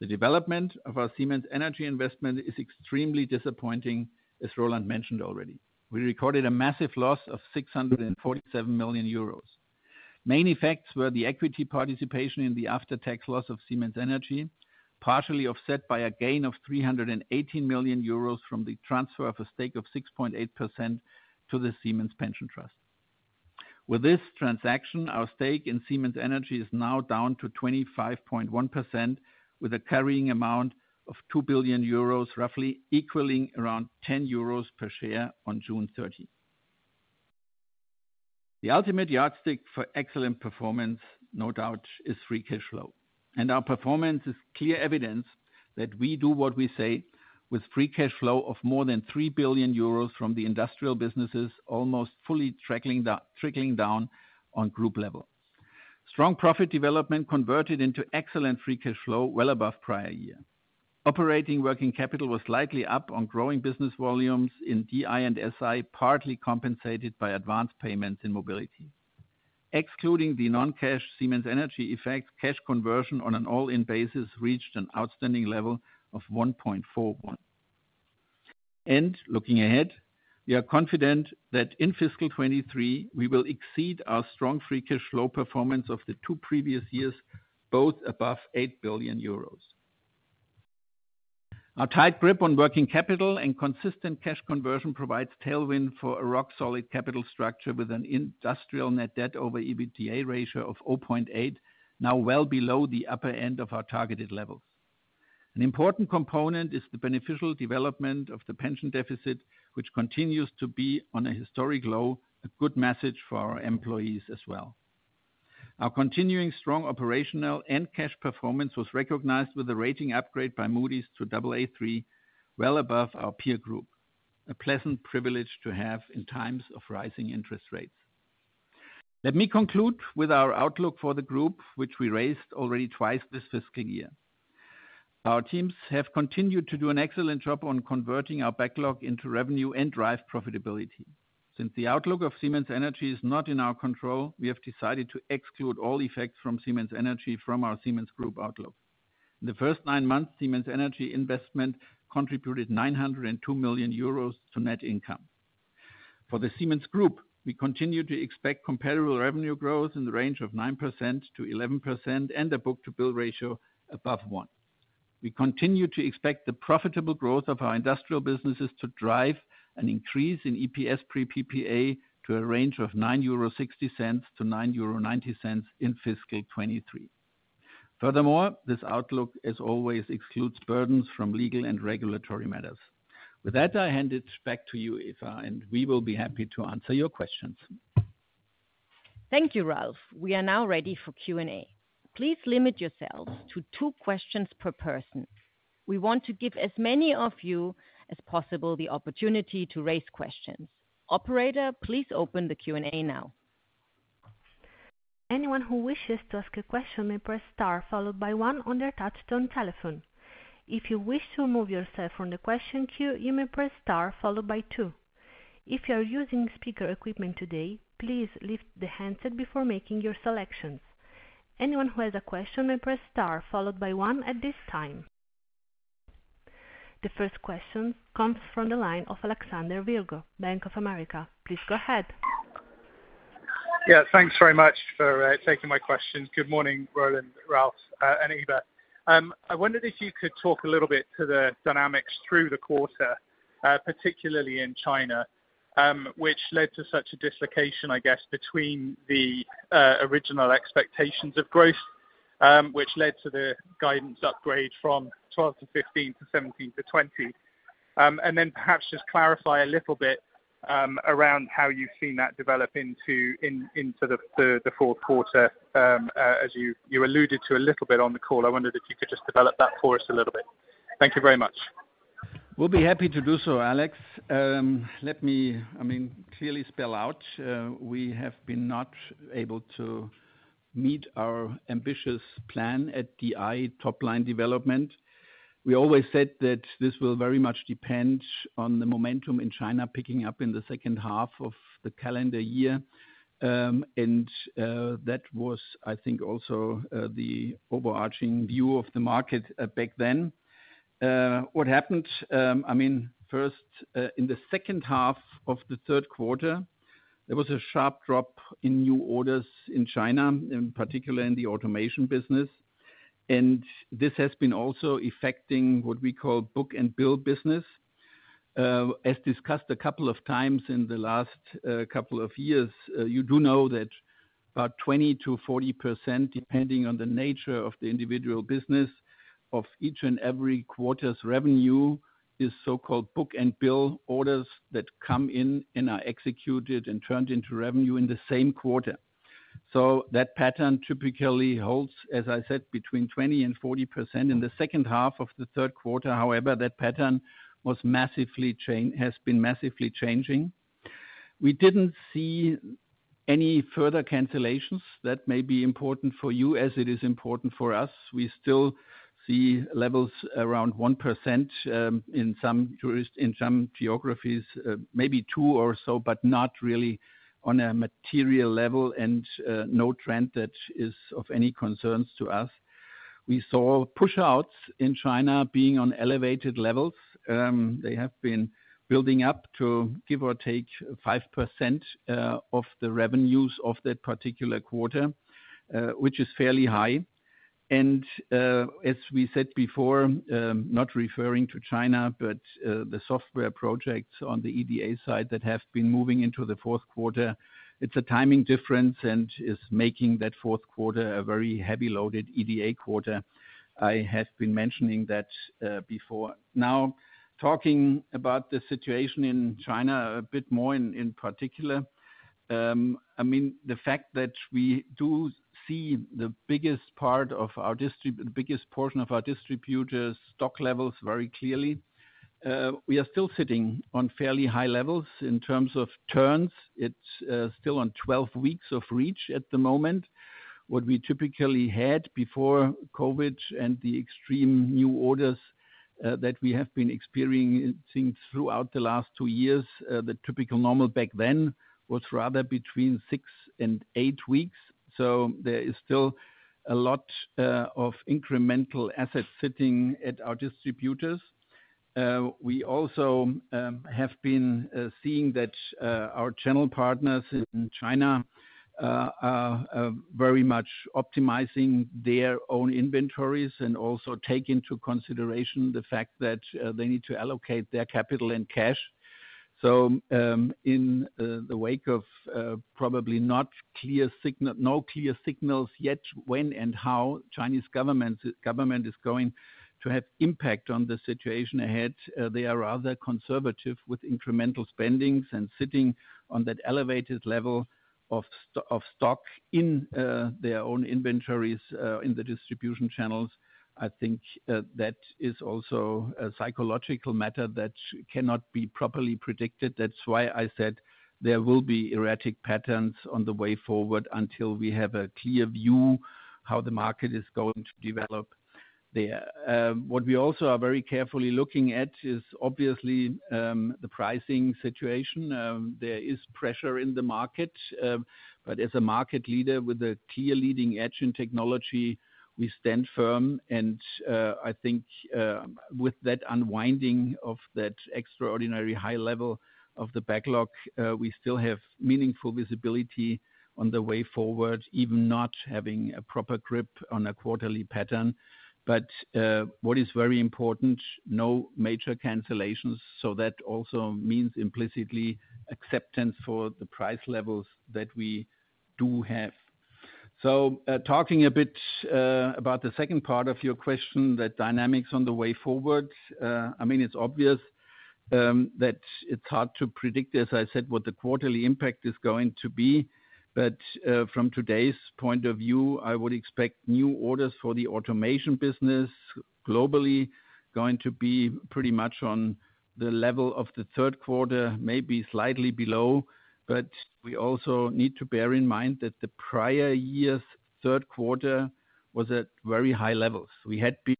The development of our Siemens Energy investment is extremely disappointing, as Roland mentioned already. We recorded a massive loss of 647 million euros. Main effects were the equity participation in the after-tax loss of Siemens Energy, partially offset by a gain of 318 million euros from the transfer of a stake of 6.8% to the Siemens Pension-Trust. With this transaction, our stake in Siemens Energy is now down to 25.1%, with a carrying amount of 2 billion euros, roughly equaling around 10 euros per share on June 13th. The ultimate yardstick for excellent performance, no doubt, is free cash flow. Our performance is clear evidence that we do what we say with free cash flow of more than 3 billion euros from the industrial businesses, almost fully trickling down on group level. Strong profit development converted into excellent free cash flow, well above prior year. Operating working capital was slightly up on growing business volumes in DI and SI, partly compensated by advanced payments in mobility. Excluding the non-cash Siemens Energy effect, cash conversion on an all-in basis reached an outstanding level of 1.41. Looking ahead, we are confident that in fiscal 2023, we will exceed our strong free cash flow performance of the 2 previous years, both above 8 billion euros. Our tight grip on working capital and consistent cash conversion provides tailwind for a rock-solid capital structure with an industrial net debt over EBITDA ratio of 0.8, now well below the upper end of our targeted levels. An important component is the beneficial development of the pension deficit, which continues to be on a historic low, a good message for our employees as well. Our continuing strong operational and cash performance was recognized with a rating upgrade by Moody's to Aa3, well above our peer group, a pleasant privilege to have in times of rising interest rates. Let me conclude with our outlook for the group, which we raised already twice this fiscal year. Our teams have continued to do an excellent job on converting our backlog into revenue and drive profitability. Since the outlook of Siemens Energy is not in our control, we have decided to exclude all effects from Siemens Energy from our Siemens Group outlook. In the first nine months, Siemens Energy investment contributed 902 million euros to net income. For the Siemens Group, we continue to expect comparable revenue growth in the range of 9%-11% and a book-to-bill ratio above one. We continue to expect the profitable growth of our industrial businesses to drive an increase in EPS pre PPA to a range of 9.60-9.90 euro in fiscal 2023. Furthermore, this outlook, as always, excludes burdens from legal and regulatory matters. With that, I hand it back to you, Eva, and we will be happy to answer your questions. Thank you, Ralf. We are now ready for Q&A. Please limit yourselves to two questions per person. We want to give as many of you as possible the opportunity to raise questions. Operator, please open the Q&A now. Anyone who wishes to ask a question may press star, followed by one on their touchtone telephone. If you wish to remove yourself from the question queue, you may press star followed by two. If you are using speaker equipment today, please lift the handset before making your selections. Anyone who has a question may press star, followed by one at this time. The first question comes from the line of Alexander Virgo, Bank of America. Please go ahead. Yeah, thanks very much for taking my questions. Good morning, Roland, Ralf, and Eva. I wondered if you could talk a little bit to the dynamics through the quarter, particularly in China, which led to such a dislocation, I guess, between the original expectations of growth, which led to the guidance upgrade from 12-15 to 17-20. Then perhaps just clarify a little bit around how you've seen that develop into the fourth quarter. As you alluded to a little bit on the call, I wondered if you could just develop that for us a little bit. Thank you very much. We'll be happy to do so, Alex. Let me, I mean, clearly spell out, we have been not able to meet our ambitious plan at DI top line development. We always said that this will very much depend on the momentum in China, picking up in the second half of the calendar year. That was, I think, also, the overarching view of the market, back then. What happened, I mean, first, in the second half of the third quarter, there was a sharp drop in new orders in China, in particular in the automation business. This has been also affecting what we call book-and-bill business. As discussed a couple of times in the last couple of years, you do know that about 20%-40%, depending on the nature of the individual business of each and every quarter's revenue, is so-called book-and-bill orders that come in and are executed and turned into revenue in the same quarter. That pattern typically holds, as I said, between 20% and 40%. In the second half of the third quarter, however, that pattern has been massively changing. We didn't see any further cancellations. That may be important for you as it is important for us. We still see levels around 1%, in some tourist, in some geographies, maybe two or so, but not really on a material level and no trend that is of any concerns to us. We saw pushouts in China being on elevated levels. They have been building up to give or take 5% of the revenues of that particular quarter, which is fairly high. As we said before, not referring to China, but the software projects on the EDA side that have been moving into the fourth quarter, it's a timing difference and is making that fourth quarter a very heavy loaded EDA quarter. I have been mentioning that before. Now, talking about the situation in China a bit more in particular, the fact that we do see the biggest portion of our distributors stock levels very clearly. We are still sitting on fairly high levels in terms of turns. It's still on 12 weeks of reach at the moment. What we typically had before COVID and the extreme new orders that we have been experiencing throughout the last 2 years, the typical normal back then was rather between 6 and 8 weeks. There is still a lot of incremental assets sitting at our distributors. We also have been seeing that our channel partners in China are very much optimizing their own inventories and also take into consideration the fact that they need to allocate their capital and cash. In the wake of probably not clear signal, no clear signals yet, when and how Chinese government is going to have impact on the situation ahead, they are rather conservative with incremental spendings and sitting on that elevated level of stock in their own inventories in the distribution channels. I think that is also a psychological matter that cannot be properly predicted. That's why I said there will be erratic patterns on the way forward until we have a clear view how the market is going to develop. What we also are very carefully looking at is obviously the pricing situation. There is pressure in the market, but as a market leader with a clear leading edge in technology, we stand firm. I think with that unwinding of that extraordinary high level of the backlog, we still have meaningful visibility on the way forward, even not having a proper grip on a quarterly pattern. What is very important, no major cancellations. That also means implicitly acceptance for the price levels that we do have. Talking a bit about the second part of your question, the dynamics on the way forward. I mean, it's obvious that it's hard to predict, as I said, what the quarterly impact is going to be. From today's point of view, I would expect new orders for the automation business globally, going to be pretty much on the level of the third quarter, maybe slightly below. We also need to bear in mind that the prior year's third quarter was at very high levels. We had been-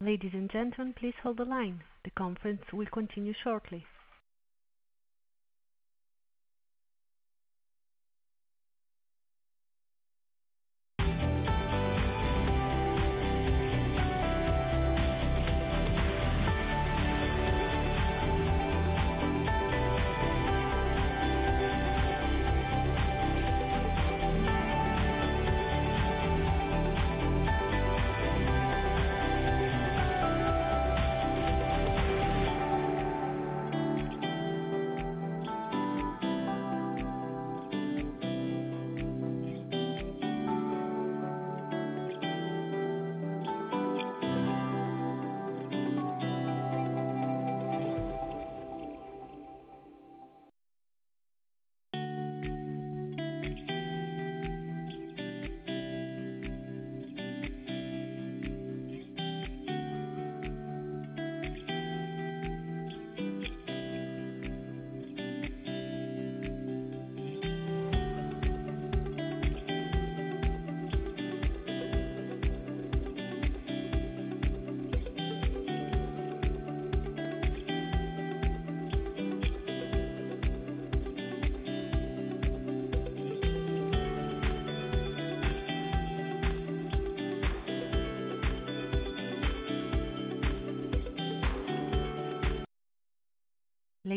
Ladies and gentlemen, please hold the line. The conference will continue shortly.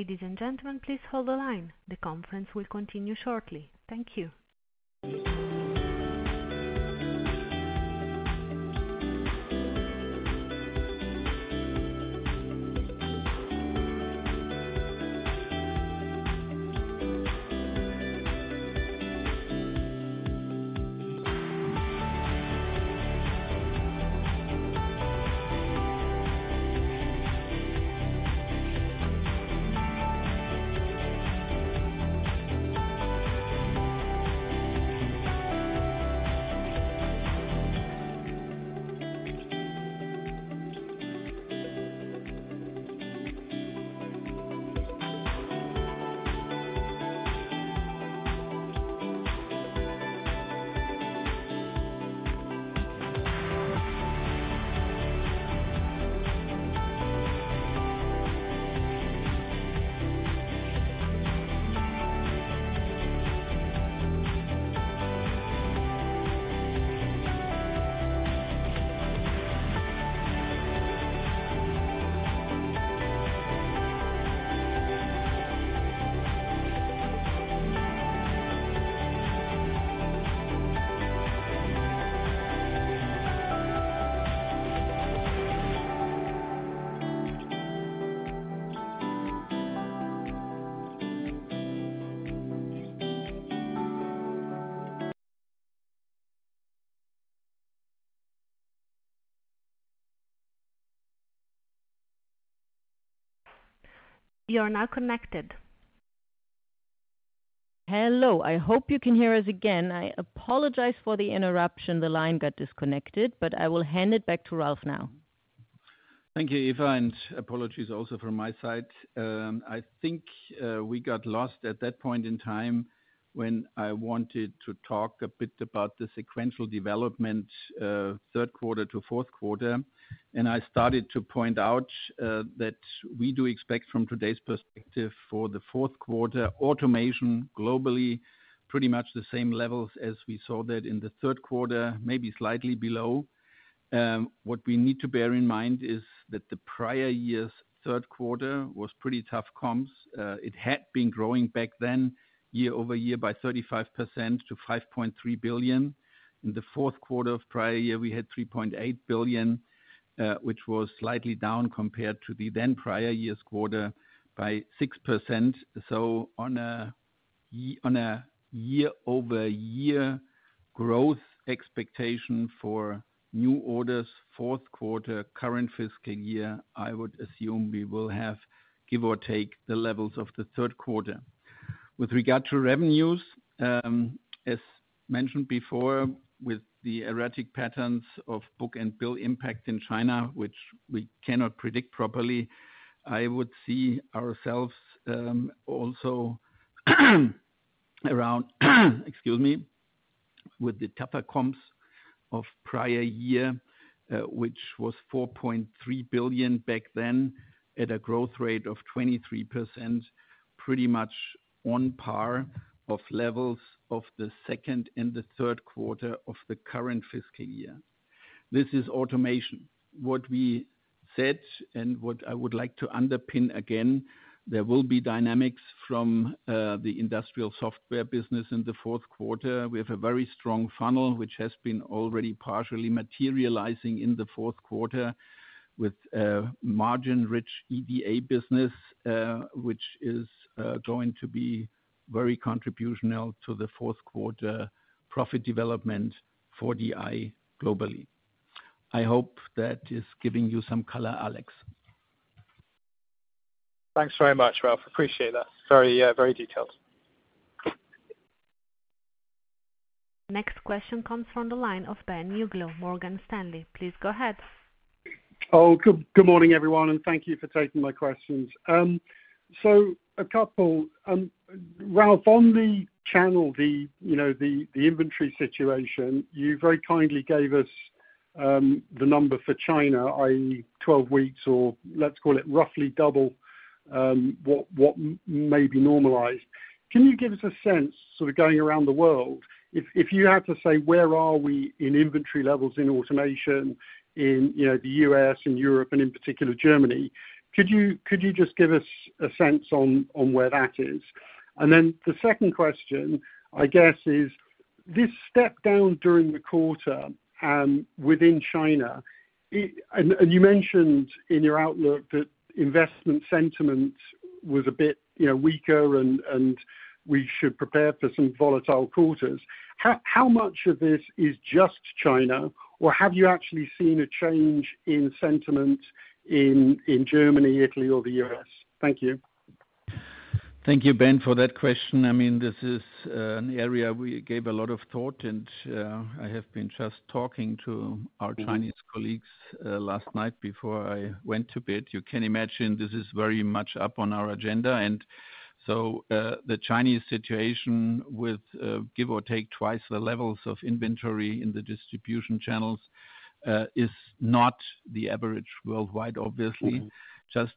Ladies and gentlemen, please hold the line. The conference will continue shortly. Thank you. You are now connected. Hello, I hope you can hear us again. I apologize for the interruption. The line got disconnected, but I will hand it back to Ralf now. Thank you, Eva, and apologies also from my side. I think we got lost at that point in time when I wanted to talk a bit about the sequential development, third quarter to fourth quarter. I started to point out that we do expect from today's perspective for the fourth quarter, automation globally, pretty much the same levels as we saw that in the third quarter, maybe slightly below. What we need to bear in mind is that the prior year's third quarter was pretty tough comms. It had been growing back then, year-over-year by 35% to 5.3 billion. In the fourth quarter of prior year, we had 3.8 billion, which was slightly down compared to the then prior year's quarter by 6%. On a year-over-year growth expectation for new orders, fourth quarter, current fiscal year, I would assume we will have, give or take, the levels of the third quarter. With regard to revenues, as mentioned before, with the erratic patterns of book-and-bill impact in China, which we cannot predict properly, I would see ourselves also around, excuse me, with the tougher comps of prior year, which was 4.3 billion back then, at a growth rate of 23%, pretty much on par of levels of the second and the third quarter of the current fiscal year. This is automation. What we said, and what I would like to underpin again, there will be dynamics from the industrial software business in the fourth quarter. We have a very strong funnel, which has been already partially materializing in the fourth quarter with margin-rich EDA business, which is going to be very contributional to the fourth quarter profit development for DI globally. I hope that is giving you some color, Alex. Thanks very much, Ralf. Appreciate that. Very, very detailed. Next question comes from the line of Ben Uglow, Morgan Stanley. Please go ahead. Oh, good, good morning, everyone, and thank you for taking my questions. So a couple, Ralf, on the channel, the, you know, the inventory situation, you very kindly gave us the number for China, i.e., 12 weeks, or let's call it roughly double what may be normalized. Can you give us a sense, sort of going around the world, if, if you had to say, where are we in inventory levels in automation, in, you know, the US and Europe, and in particular Germany? Could you, could you just give us a sense on, on where that is? Then the second question, I guess, is this step down during the quarter within China, and you mentioned in your outlook that investment sentiment was a bit, you know, weaker and we should prepare for some volatile quarters. How, how much of this is just China, or have you actually seen a change in sentiment in, in Germany, Italy or the U.S.? Thank you. Thank you, Ben, for that question. I mean, this is an area we gave a lot of thought, and I have been just talking to our Chinese colleagues last night before I went to bed. You can imagine this is very much up on our agenda, and so the Chinese situation with give or take twice the levels of inventory in the distribution channels is not the average worldwide, obviously. Just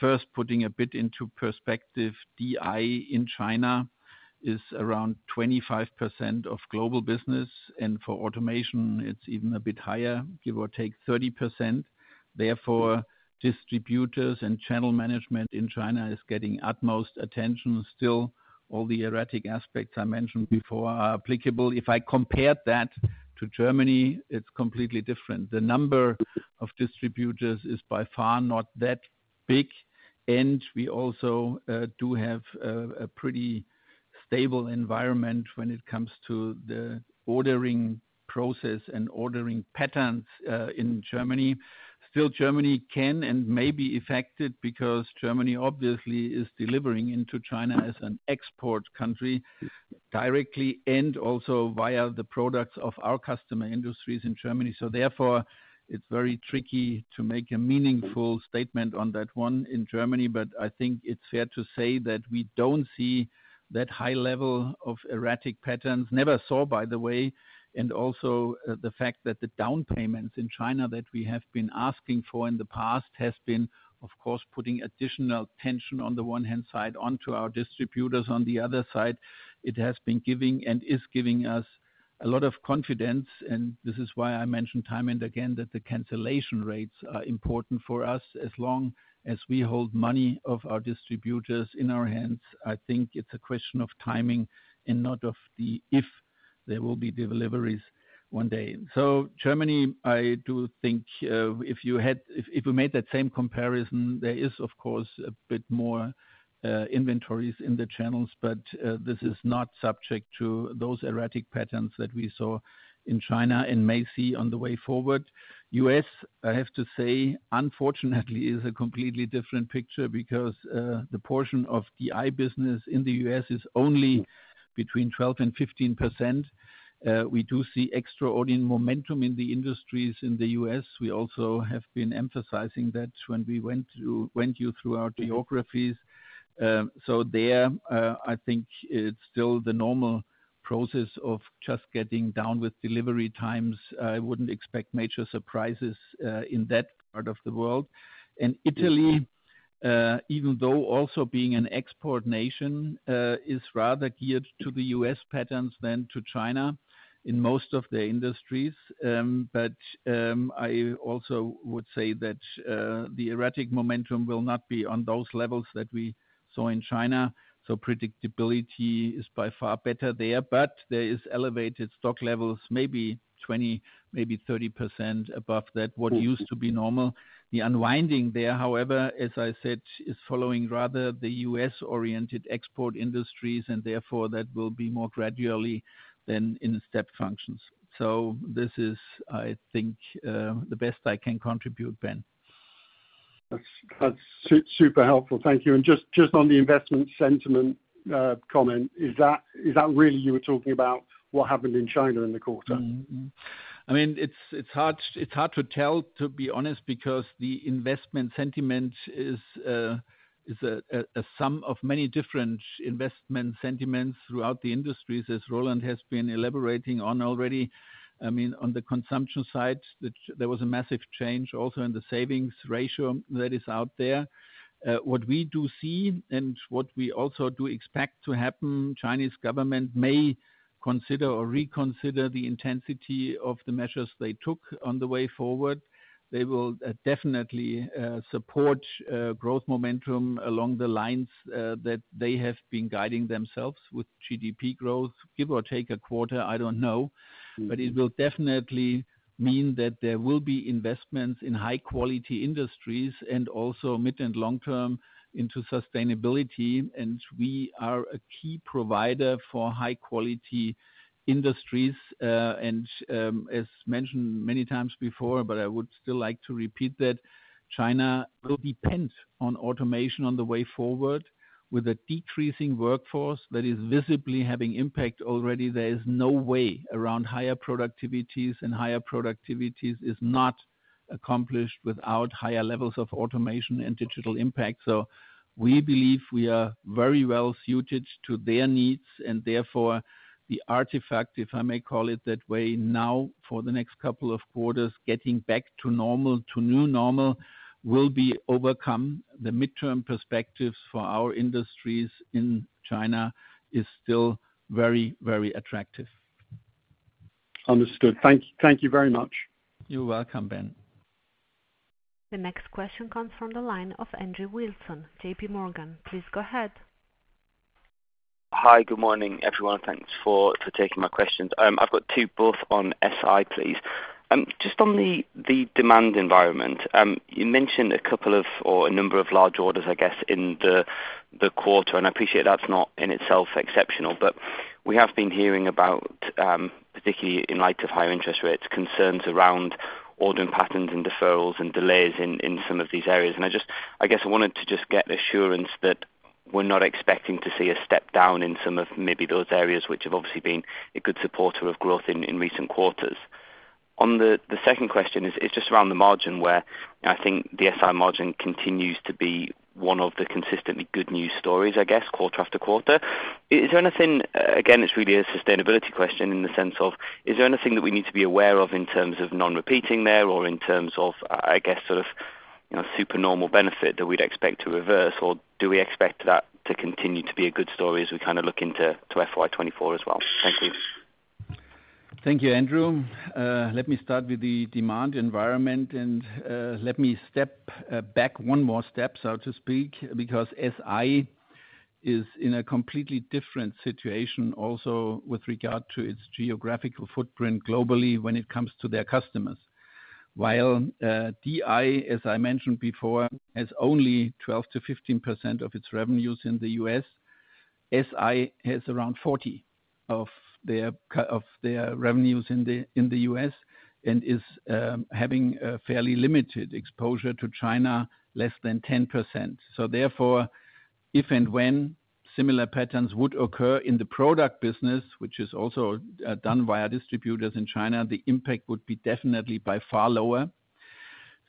first putting a bit into perspective, DI in China is around 25% of global business, and for automation, it's even a bit higher, give or take 30%. Therefore, distributors and channel management in China is getting utmost attention. Still, all the erratic aspects I mentioned before are applicable. If I compared that to Germany, it's completely different. The number of distributors is by far not that big. We also do have a pretty stable environment when it comes to the ordering process and ordering patterns in Germany. Germany can and may be affected because Germany obviously is delivering into China as an export country, directly and also via the products of our customer industries in Germany. Therefore, it's very tricky to make a meaningful statement on that one in Germany. I think it's fair to say that we don't see that high level of erratic patterns. Never saw, by the way, and also the fact that the down payments in China that we have been asking for in the past has been, of course, putting additional tension on the one hand side, onto our distributors on the other side. It has been giving and is giving us a lot of confidence. This is why I mentioned time and again, that the cancellation rates are important for us. As long as we hold money of our distributors in our hands, I think it's a question of timing and not of the, if there will be deliveries one day. Germany, I do think, if we made that same comparison, there is of course a bit more inventories in the channels. This is not subject to those erratic patterns that we saw in China and may see on the way forward. U.S., I have to say, unfortunately, is a completely different picture because the portion of the AI business in the U.S. is only between 12 and 15%. We do see extraordinary momentum in the industries in the U.S. We also have been emphasizing that when we went through, went you through our geographies. So there, I think it's still the normal process of just getting down with delivery times. I wouldn't expect major surprises in that part of the world. Italy, even though also being an export nation, is rather geared to the U.S. patterns than to China in most of the industries. I also would say that the erratic momentum will not be on those levels that we saw in China. Predictability is by far better there, but there is elevated stock levels, maybe 20, maybe 30% above that, what used to be normal. The unwinding there, however, as I said, is following rather the U.S.-oriented export industries, and therefore that will be more gradually than in step functions. This is, I think, the best I can contribute, Ben. That's super helpful. Thank you. Just on the investment sentiment comment, is that really you were talking about what happened in China in the quarter? I mean, it's, it's hard, it's hard to tell, to be honest, because the investment sentiment is a sum of many different investment sentiments throughout the industries, as Roland has been elaborating on already. I mean, on the consumption side, there was a massive change also in the savings ratio that is out there. What we do see and what we also do expect to happen, Chinese government may consider or reconsider the intensity of the measures they took on the way forward. They will definitely support growth momentum along the lines that they have been guiding themselves with GDP growth, give or take a quarter, I don't know. It will definitely mean that there will be investments in high quality industries and also mid and long term into sustainability. We are a key provider for high quality industries. As mentioned many times before, but I would still like to repeat that China will depend on automation on the way forward with a decreasing workforce that is visibly having impact already. There is no way around higher productivities, and higher productivities is not accomplished without higher levels of automation and digital impact. We believe we are very well suited to their needs, and therefore the artifact, if I may call it that way, now, for the next couple of quarters, getting back to normal, to new normal, will be overcome. The midterm perspectives for our industries in China is still very, very attractive. Understood. Thank, thank you very much. You're welcome, Ben. The next question comes from the line of Andrew Wilson, JPMorgan. Please go ahead. Hi, good morning, everyone. Thanks for, for taking my questions. I've got two, both on SI, please. Just on the, the demand environment, you mentioned a couple of or a number of large orders, I guess, in the, the quarter, and I appreciate that's not in itself exceptional. We have been hearing about, particularly in light of higher interest rates, concerns around ordering patterns and deferrals and delays in, in some of these areas. I just, I guess I wanted to just get assurance that we're not expecting to see a step down in some of maybe those areas which have obviously been a good supporter of growth in, in recent quarters. On the, the second question is, is just around the margin where I think the SI margin continues to be one of the consistently good news stories, I guess, quarter after quarter. Is there anything, again, it's really a sustainability question in the sense of, is there anything that we need to be aware of in terms of non-repeating there, or in terms of, I guess, sort of, you know, super normal benefit that we'd expect to reverse, or do we expect that to continue to be a good story as we kind of look into to FY 2024 as well? Thank you. Thank you, Andrew. Let me start with the demand environment. Let me step back one more step, so to speak, because SI is in a completely different situation also with regard to its geographical footprint globally when it comes to their customers. While DI, as I mentioned before, has only 12%-15% of its revenues in the U.S., SI has around 40 of their revenues in the U.S., and is having a fairly limited exposure to China, less than 10%. Therefore, if and when similar patterns would occur in the product business, which is also done via distributors in China, the impact would be definitely by far lower.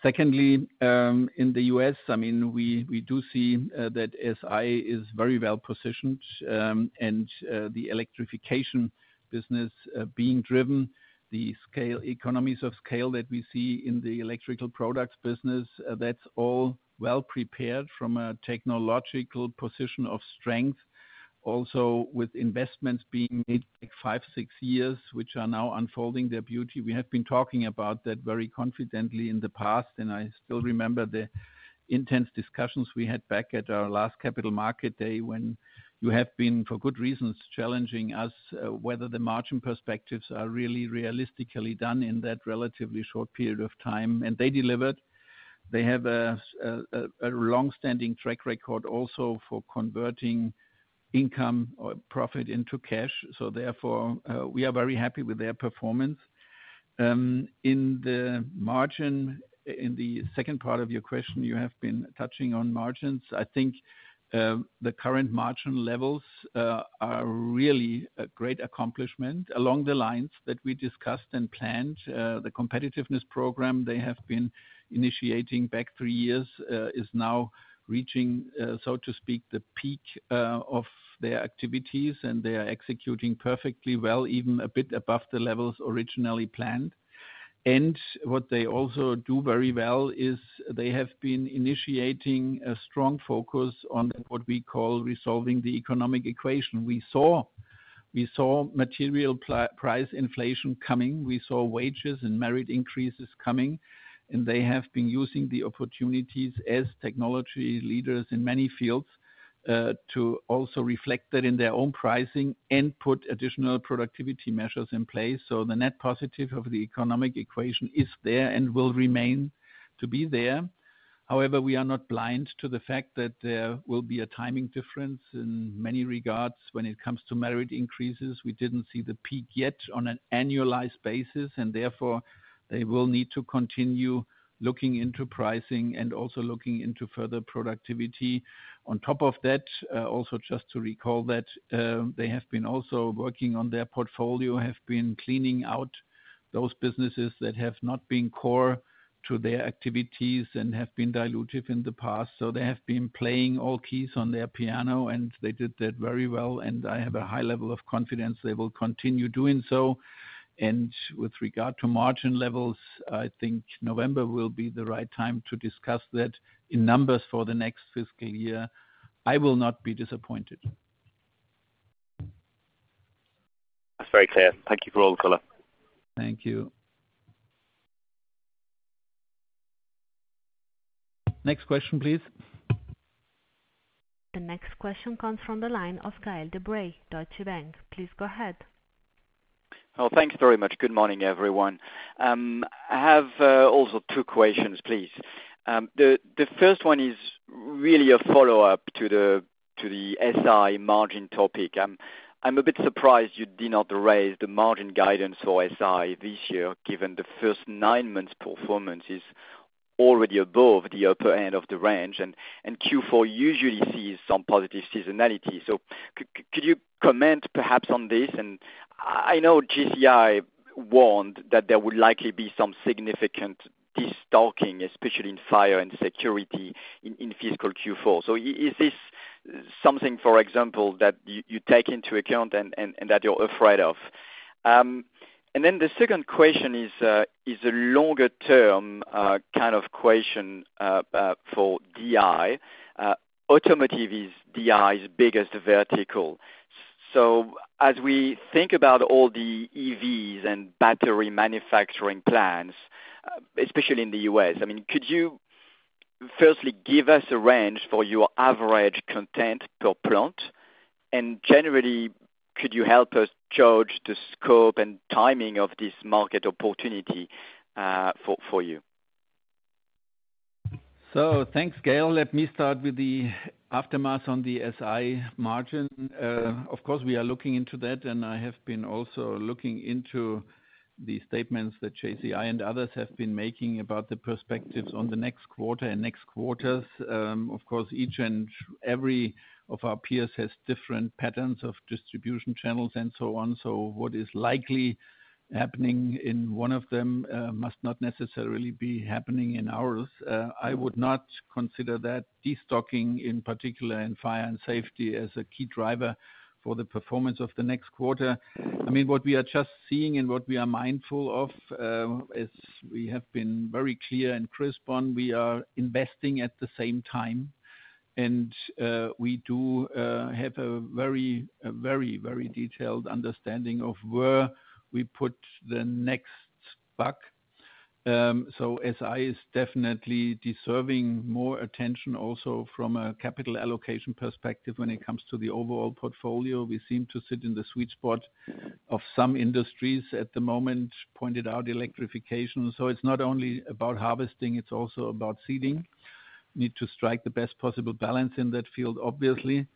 Secondly, in the U.S., we, we do see that SI is very well positioned, and the electrification business, being driven, the scale, economies of scale that we see in the electrical products business, that's all well prepared from a technological position of strength. With investments being made like five, six years, which are now unfolding their beauty. We have been talking about that very confidently in the past. I still remember the intense discussions we had back at our last capital market day, when you have been, for good reasons, challenging us, whether the margin perspectives are really realistically done in that relatively short period of time, and they delivered. They have a long-standing track record also for converting income or profit into cash. Therefore, we are very happy with their performance. In the second part of your question, you have been touching on margins. I think, the current margin levels are really a great accomplishment along the lines that we discussed and planned. The competitiveness program they have been initiating back 3 years is now reaching, so to speak, the peak of their activities, and they are executing perfectly well, even a bit above the levels originally planned. What they also do very well is they have been initiating a strong focus on what we call resolving the economic equation. We saw, we saw material price inflation coming. We saw wages and merit increases coming, and they have been using the opportunities as technology leaders in many fields to also reflect that in their own pricing and put additional productivity measures in place. The net positive of the economic equation is there and will remain to be there. However, we are not blind to the fact that there will be a timing difference in many regards when it comes to merit increases. We didn't see the peak yet on an annualized basis, and therefore they will need to continue looking into pricing and also looking into further productivity. On top of that, also just to recall that they have been also working on their portfolio, have been cleaning out those businesses that have not been core to their activities and have been dilutive in the past. They have been playing all keys on their piano, and they did that very well, and I have a high level of confidence they will continue doing so. With regard to margin levels, I think November will be the right time to discuss that in numbers for the next fiscal year. I will not be disappointed. That's very clear. Thank you for all the color. Thank you. Next question, please. The next question comes from the line of Gael de-Bray, Deutsche Bank. Please go ahead. Well, thank you very much. Good morning, everyone. I have also 2 questions, please. The first one is really a follow-up to the SI margin topic. I'm a bit surprised you did not raise the margin guidance for SI this year, given the first 9 months' performance is already above the upper end of the range, and Q4 usually sees some positive seasonality. Could you comment, perhaps, on this? I know JCI warned that there would likely be some significant destocking, especially in fire and security in fiscal Q4. Is this something, for example, that you take into account and that you're afraid of? The second question is a longer term kind of question for DI. Automotive is DI's biggest vertical. As we think about all the EVs and battery manufacturing plants, especially in the U.S., I mean, could you firstly give us a range for your average content per plant? Generally, could you help us judge the scope and timing of this market opportunity for you? Thanks, Gael. Let me start with the aftermath on the SI margin. Of course, we are looking into that, and I have been also looking into the statements that JCI and others have been making about the perspectives on the next quarter and next quarters. Of course, each and every of our peers has different patterns of distribution channels and so on. What is likely happening in one of them must not necessarily be happening in ours. I would not consider that destocking, in particular in fire and safety, as a key driver for the performance of the next quarter. I mean, what we are just seeing and what we are mindful of, as we have been very clear and crisp on, we are investing at the same time. We do have a very, very, very detailed understanding of where we put the next buck. SI is definitely deserving more attention, also from a capital allocation perspective, when it comes to the overall portfolio. We seem to sit in the sweet spot of some industries at the moment, pointed out electrification. It's not only about harvesting, it's also about seeding. Need to strike the best possible balance in that field, obviously.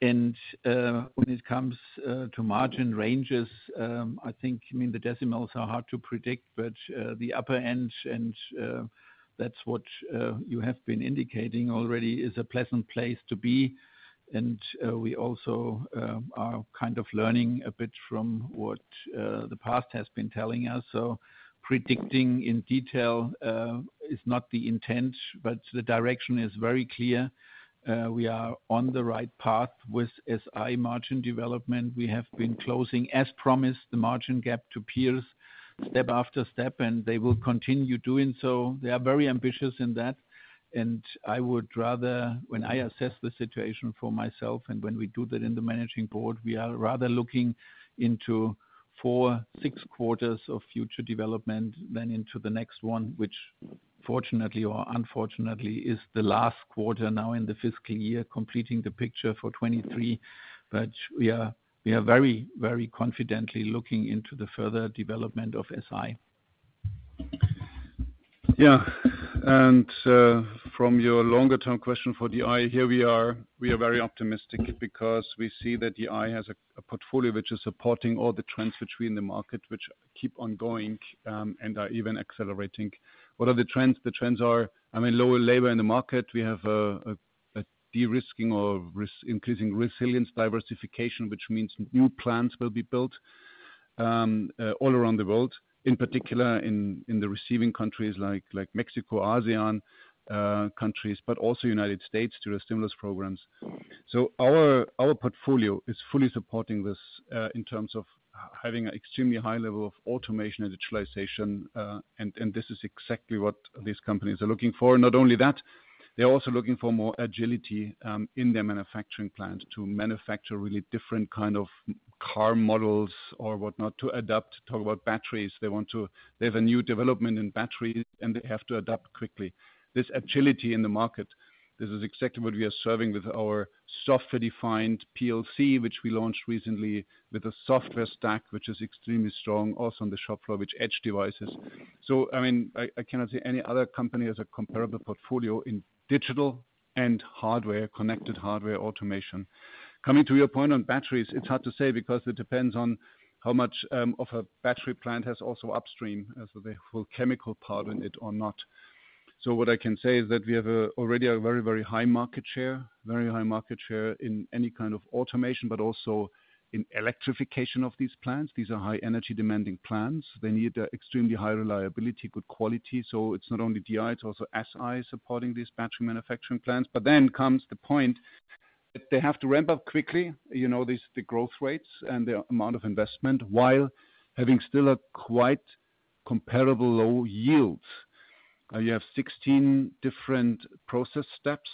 When it comes to margin ranges, I think, I mean, the decimals are hard to predict, but the upper end, and that's what you have been indicating already, is a pleasant place to be. We also are kind of learning a bit from what the past has been telling us. Predicting in detail is not the intent, but the direction is very clear. We are on the right path with SI margin development. We have been closing, as promised, the margin gap to peers step after step, and they will continue doing so. They are very ambitious in that, and I would rather when I assess the situation for myself and when we do that in the managing board, we are rather looking into 4, 6 quarters of future development then into the next one, which fortunately or unfortunately, is the last quarter now in the fiscal year, completing the picture for 23. We are, we are very, very confidently looking into the further development of SI. Yeah. From your longer term question for DI, here we are. We are very optimistic because we see that DI has a portfolio which is supporting all the trends between the market, which keep on going and are even accelerating. What are the trends? The trends are, I mean, lower labor in the market. We have a de-risking or risk-- increasing resilience, diversification, which means new plants will be built all around the world, in particular in the receiving countries like Mexico, ASEAN countries, but also United States, through the stimulus programs. Our portfolio is fully supporting this in terms of having an extremely high level of automation and digitalization, and this is exactly what these companies are looking for. Not only that, they're also looking for more agility in their manufacturing plant to manufacture really different kind of car models or whatnot, to adapt. Talk about batteries, they have a new development in batteries, and they have to adapt quickly. This agility in the market, this is exactly what we are serving with our software-defined PLC, which we launched recently with a software stack, which is extremely strong, also on the shop floor, which edge devices. I mean, I, I cannot see any other company as a comparable portfolio in digital and hardware, connected hardware automation. Coming to your point on batteries, it's hard to say because it depends on how much of a battery plant has also upstream, as the whole chemical part in it or not. What I can say is that we have a, already a very, very high market share, very high market share in any kind of automation, but also in electrification of these plants. These are high energy demanding plants. They need extremely high reliability, good quality. It's not only DI, it's also SI supporting these battery manufacturing plants. Then comes the point that they have to ramp up quickly, you know, these, the growth rates and the amount of investment, while having still a quite- Comparable low yields. You have 16 different process steps,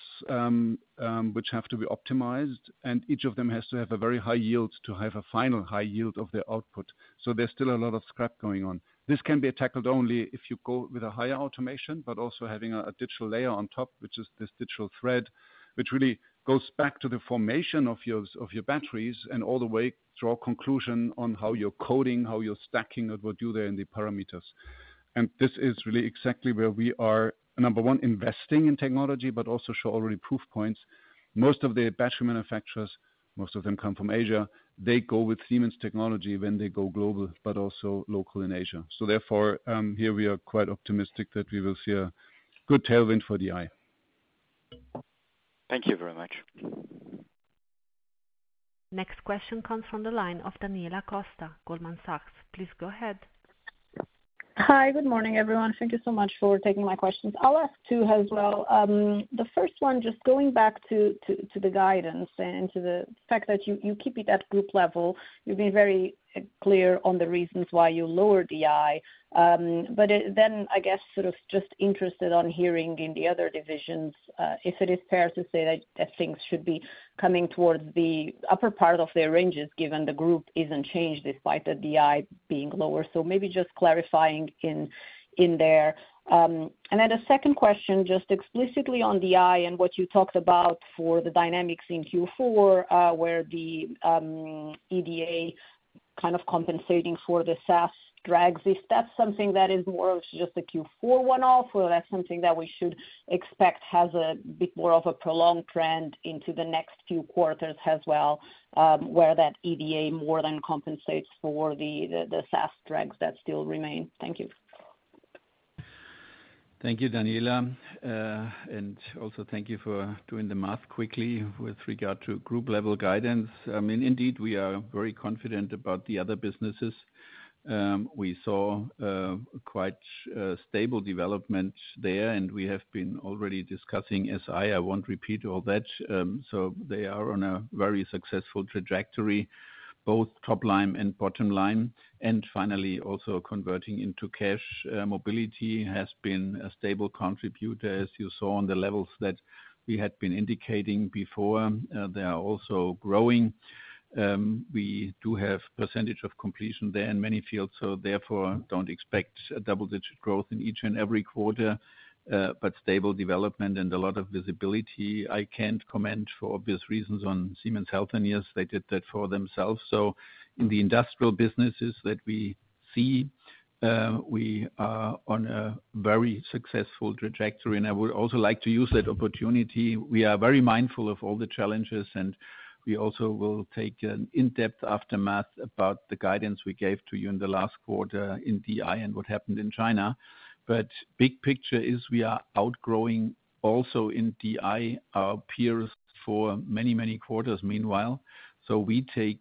which have to be optimized, and each of them has to have a very high yield to have a final high yield of their output. There's still a lot of scrap going on. This can be tackled only if you go with a higher automation, but also having a, a digital layer on top, which is this digital thread, which really goes back to the formation of your, of your batteries and all the way through our conclusion on how you're coding, how you're stacking it, what do there in the parameters. This is really exactly where we are, number one, investing in technology, but also show already proof points. Most of the battery manufacturers, most of them come from Asia. They go with Siemens technology when they go global, but also local in Asia. Therefore, here we are quite optimistic that we will see a good tailwind for DI. Thank you very much. Next question comes from the line of Daniela Costa, Goldman Sachs. Please go ahead. Hi, good morning, everyone. Thank You so much for taking my questions. I'll ask two as well. The first one, just going back to, to, to the guidance and to the fact that you, you keep it at group level. You've been very clear on the reasons why you lowered DI. It then, I guess, sort of just interested on hearing in the other divisions, if it is fair to say that, that things should be coming towards the upper part of their ranges, given the group isn't changed despite the DI being lower? Maybe just clarifying in, in there? Then a second question, just explicitly on DI and what you talked about for the dynamics in Q4, where the EDA kind of compensating for the SaaS drags? Is that something that is more just a Q4 one-off, or that's something that we should expect has a bit more of a prolonged trend into the next few quarters as well, where that EDA more than compensates for the, the, the SaaS drags that still remain? Thank you. Thank you, Daniela. Also thank you for doing the math quickly with regard to group level guidance. I mean, indeed, we are very confident about the other businesses. We saw quite stable development there, and we have been already discussing SI. I won't repeat all that. They are on a very successful trajectory, both top line and bottom line, and finally, also converting into cash. Mobility has been a stable contributor, as you saw on the levels that we had been indicating before. They are also growing. We do have percentage of completion there in many fields, therefore don't expect a double-digit growth in each and every quarter, but stable development and a lot of visibility. I can't comment for obvious reasons on Siemens Healthineers. They did that for themselves. In the industrial businesses that we see, we are on a very successful trajectory, and I would also like to use that opportunity. We are very mindful of all the challenges, and we also will take an in-depth aftermath about the guidance we gave to you in the last quarter in DI and what happened in China. Big picture is we are outgrowing also in DI, our peers for many, many quarters meanwhile. We take,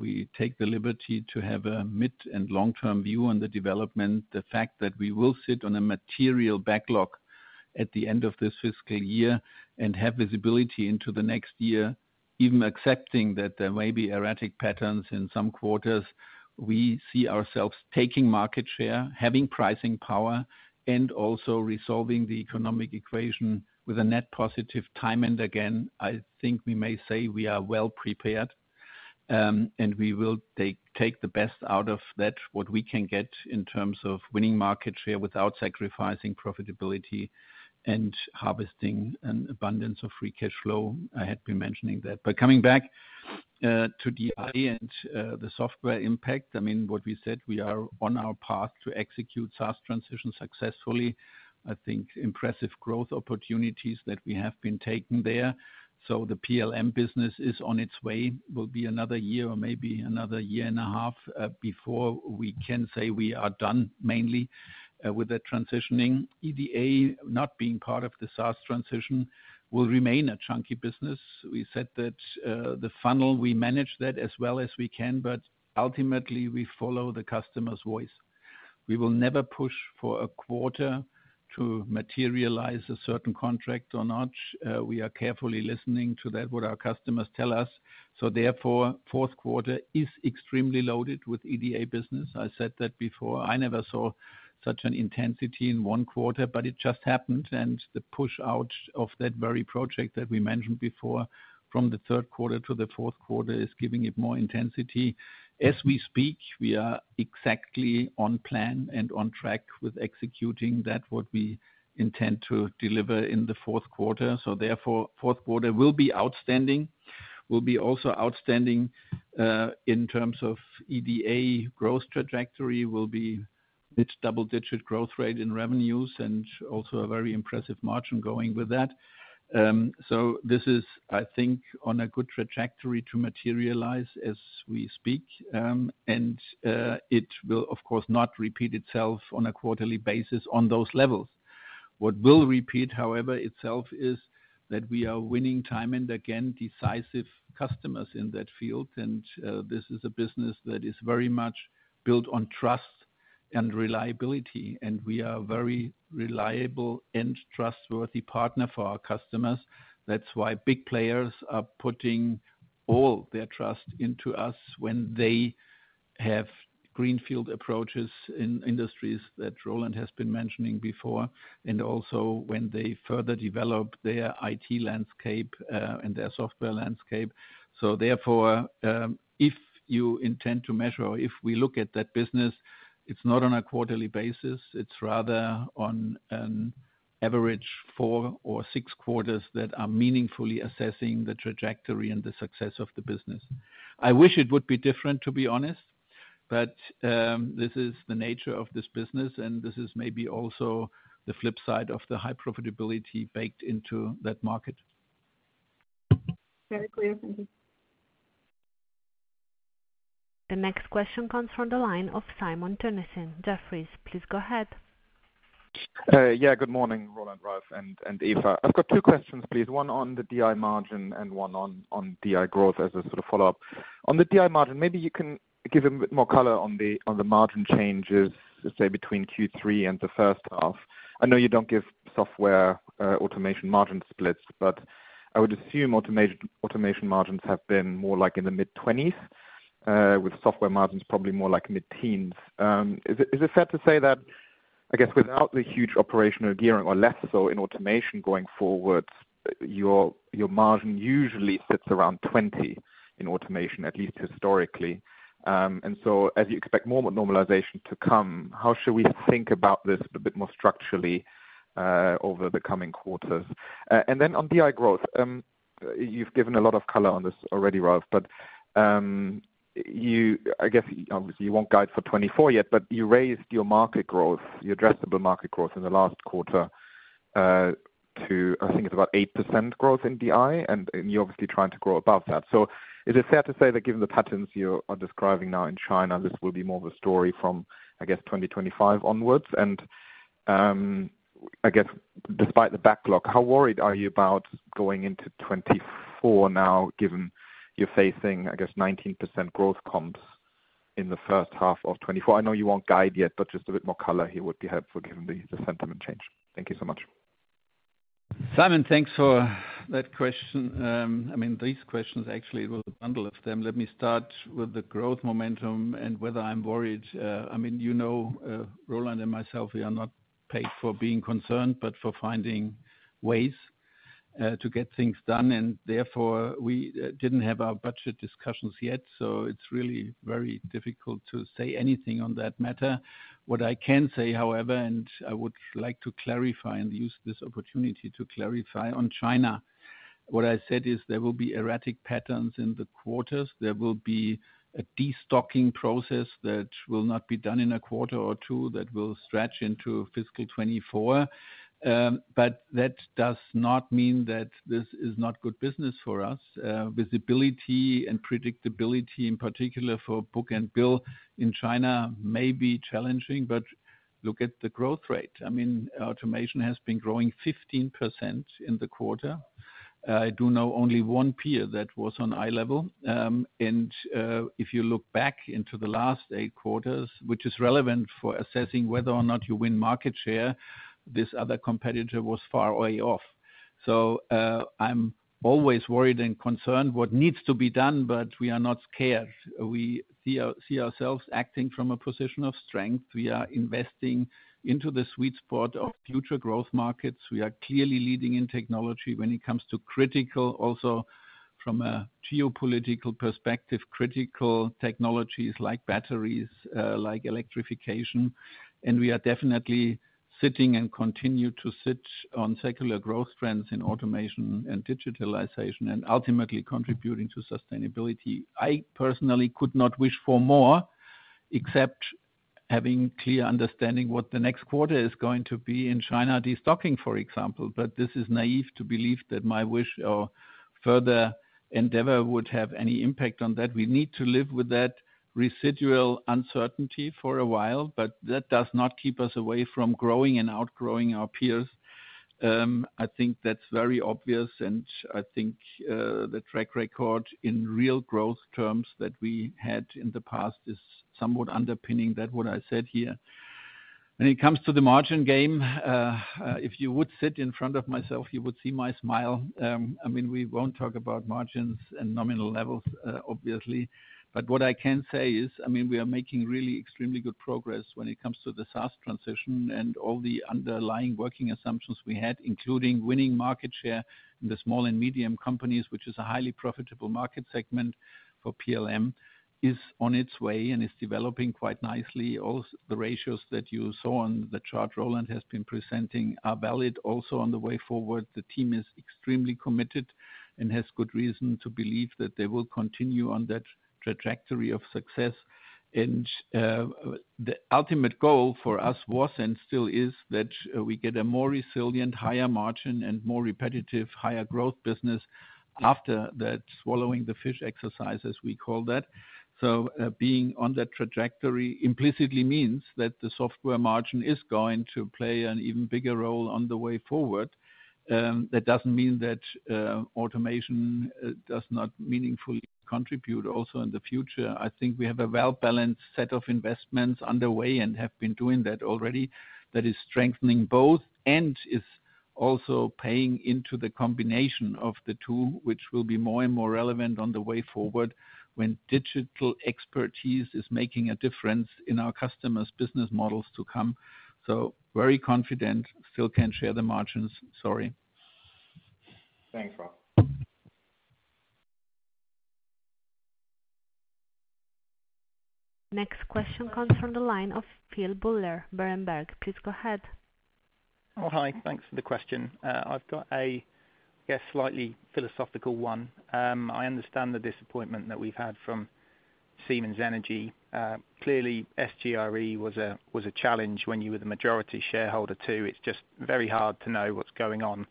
we take the liberty to have a mid- and long-term view on the development. The fact that we will sit on a material backlog at the end of this fiscal year and have visibility into the next year, even accepting that there may be erratic patterns in some quarters, we see ourselves taking market share, having pricing power, and also resolving the economic equation with a net positive time and again. I think we may say we are well prepared, and we will take, take the best out of that, what we can get in terms of winning market share without sacrificing profitability and harvesting an abundance of free cash flow. I had been mentioning that. Coming back to DI and the software impact, I mean, what we said, we are on our path to execute SaaS transition successfully. I think impressive growth opportunities that we have been taking there. The PLM business is on its way, will be another year or maybe another year and a half, before we can say we are done, mainly, with the transitioning. EDA, not being part of the SaaS transition, will remain a chunky business. We said that, the funnel, we manage that as well as we can, but ultimately we follow the customer's voice. We will never push for a quarter to materialize a certain contract or not. We are carefully listening to that, what our customers tell us. Therefore, fourth quarter is extremely loaded with EDA business. I said that before. I never saw such an intensity in one quarter, but it just happened, and the push-out of that very project that we mentioned before, from the third quarter to the fourth quarter, is giving it more intensity. As we speak, we are exactly on plan and on track with executing that, what we intend to deliver in the fourth quarter. Fourth quarter will be outstanding. Will be also outstanding in terms of EDA growth trajectory, will be mid double-digit growth rate in revenues and also a very impressive margin going with that. This is, I think, on a good trajectory to materialize as we speak. It will, of course, not repeat itself on a quarterly basis on those levels. What will repeat, however, itself, is that we are winning time and again, decisive customers in that field. This is a business that is very much built on trust and reliability, and we are a very reliable and trustworthy partner for our customers. That's why big players are putting all their trust into us when they-... Have greenfield approaches in industries that Roland has been mentioning before, and also when they further develop their IT landscape, and their software landscape. Therefore, if you intend to measure, or if we look at that business, it's not on a quarterly basis, it's rather on an average four or six quarters that are meaningfully assessing the trajectory and the success of the business. I wish it would be different, to be honest. This is the nature of this business, and this is maybe also the flip side of the high profitability baked into that market. Very clear. Thank you. The next question comes from the line of Simon Toennessen, Jefferies. Please go ahead. Yeah, good morning, Roland, Ralf, and Eva. I've got 2 questions, please, one on the DI margin and one on DI growth as a sort of follow-up. On the DI margin, maybe you can give a bit more color on the margin changes, let's say, between Q3 and the first half. I know you don't give software, automation margin splits, but I would assume automation margins have been more like in the mid-20s, with software margins probably more like mid-teens. Is it fair to say that, I guess, without the huge operational gearing or less so in automation going forward, your margin usually sits around 20 in automation, at least historically? So as you expect more normalization to come, how should we think about this a bit more structurally, over the coming quarters? Then on DI growth, you've given a lot of color on this already, Ralf, but I guess, obviously, you won't guide for 2024 yet, but you raised your market growth, your addressable market growth in the last quarter, to I think it's about 8% growth in DI, and you're obviously trying to grow above that. Is it fair to say that given the patterns you are describing now in China, this will be more of a story from, I guess, 2025 onwards? Despite the backlog, how worried are you about going into 2024 now, given you're facing, I guess, 19% growth comps in the first half of 2024? I know you won't guide yet, but just a bit more color here would be helpful given the, the sentiment change. Thank you so much. Simon, thanks for that question. I mean, these questions actually were a bundle of them. Let me start with the growth momentum and whether I'm worried. I mean, you know, Roland and myself, we are not paid for being concerned, but for finding ways to get things done, and therefore, we didn't have our budget discussions yet, so it's really very difficult to say anything on that matter. What I can say, however, and I would like to clarify and use this opportunity to clarify on China. What I said is there will be erratic patterns in the quarters. There will be a destocking process that will not be done in a quarter or two, that will stretch into fiscal 2024. That does not mean that this is not good business for us. Visibility and predictability, in particular for book-and-bill in China, may be challenging. Look at the growth rate. I mean, automation has been growing 15% in the quarter. I do know only one peer that was on eye level. If you look back into the last 8 quarters, which is relevant for assessing whether or not you win market share, this other competitor was far way off. I'm always worried and concerned what needs to be done. We are not scared. We see ourselves acting from a position of strength. We are investing into the sweet spot of future growth markets. We are clearly leading in technology when it comes to critical, also from a geopolitical perspective, critical technologies like batteries, like electrification. We are definitely sitting and continue to sit on secular growth trends in automation and digitalization, and ultimately contributing to sustainability. I personally could not wish for more, except having clear understanding what the next quarter is going to be in China, destocking, for example. But this is naive to believe that my wish or further endeavor would have any impact on that. We need to live with that residual uncertainty for a while, but that does not keep us away from growing and outgrowing our peers. I think that's very obvious, and I think, the track record in real growth terms that we had in the past is somewhat underpinning that what I said here. When it comes to the margin game, if you would sit in front of myself, you would see my smile. I mean, we won't talk about margins and nominal levels, obviously, but what I can say is, I mean, we are making really extremely good progress when it comes to the SaaS transition and all the underlying working assumptions we had, including winning market share in the small and medium companies, which is a highly profitable market segment for PLM, is on its way and is developing quite nicely. Also, the ratios that you saw on the chart Roland has been presenting are valid also on the way forward. The team is extremely committed and has good reason to believe that they will continue on that trajectory of success. The ultimate goal for us was, and still is, that we get a more resilient, higher margin, and more repetitive, higher growth business after that swallowing the fish exercise, as we call that. Being on that trajectory implicitly means that the software margin is going to play an even bigger role on the way forward. That doesn't mean that automation does not meaningfully contribute also in the future. I think we have a well-balanced set of investments underway and have been doing that already. That is strengthening both and is. Also paying into the combination of the two, which will be more and more relevant on the way forward, when digital expertise is making a difference in our customers' business models to come. Very confident, still can't share the margins. Sorry. Thanks, Ralf. Next question comes from the line of Philip Buller, Berenberg. Please go ahead. Hi. Thanks for the question. I've got a, I guess, slightly philosophical one. I understand the disappointment that we've had from Siemens Energy. Clearly, SGRE was a, was a challenge when you were the majority shareholder, too. It's just very hard to know what's going on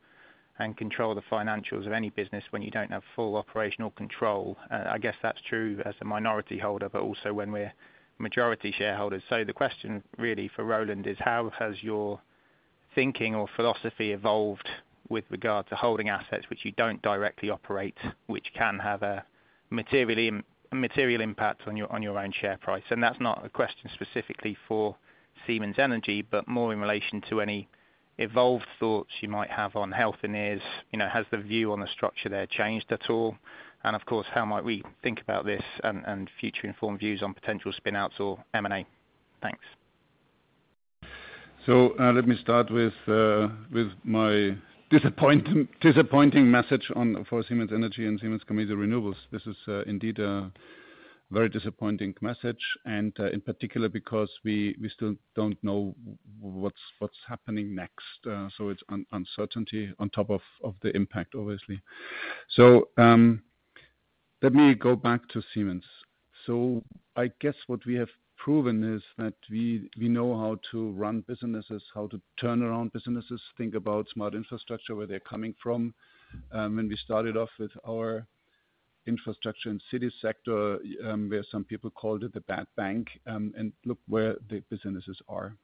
and control the financials of any business when you don't have full operational control. I guess that's true as a minority holder, but also when we're majority shareholders. The question really for Roland is: How has your thinking or philosophy evolved with regard to holding assets which you don't directly operate, which can have a materially, a material impact on your, on your own share price? That's not a question specifically for Siemens Energy, but more in relation to any evolved thoughts you might have on Healthineers. You know, has the view on the structure there changed at all? Of course, how might we think about this and, and future informed views on potential spin-outs or M&A? Thanks. Let me start with my disappointing, disappointing message on, for Siemens Energy and Siemens Gamesa Renewables. This is indeed a very disappointing message, and in particular, because we still don't know what's happening next. It's uncertainty on top of the impact, obviously. Let me go back to Siemens. I guess what we have proven is that we know how to run businesses, how to turn around businesses, think about Smart Infrastructure, where they're coming from. When we started off with our infrastructure and city sector, where some people called it the bad bank, look where the businesses are.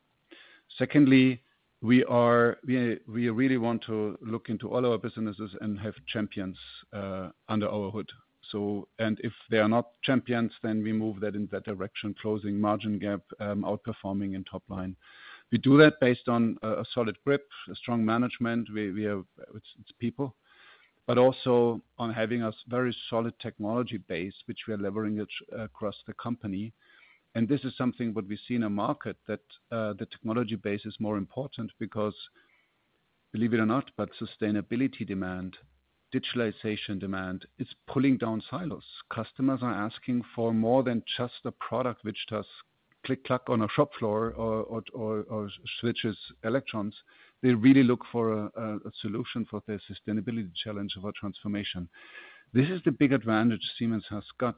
Secondly, we really want to look into all our businesses and have champions under our hood. If they are not champions, then we move that in that direction, closing margin gap, outperforming in top line. We do that based on a solid grip, a strong management. We have, it's people, but also on having a very solid technology base, which we are levering it across the company. This is something what we see in a market, that the technology base is more important because, believe it or not, but sustainability demand, digitalization demand, is pulling down silos. Customers are asking for more than just a product which does click-clack on a shop floor or, or, or, or switches electrons. They really look for a solution for their sustainability challenge of our transformation. This is the big advantage Siemens has got,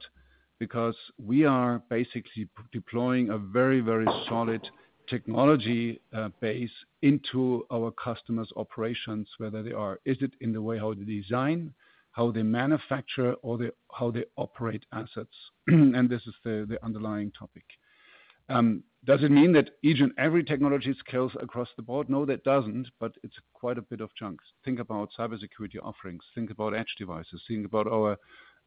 because we are basically deploying a very, very solid technology base into our customers' operations, whether they are, is it in the way how they design, how they manufacture, or they, how they operate assets? This is the, the underlying topic. Does it mean that each and every technology scales across the board? No, that doesn't, but it's quite a bit of chunks. Think about cybersecurity offerings. Think about edge devices. Think about our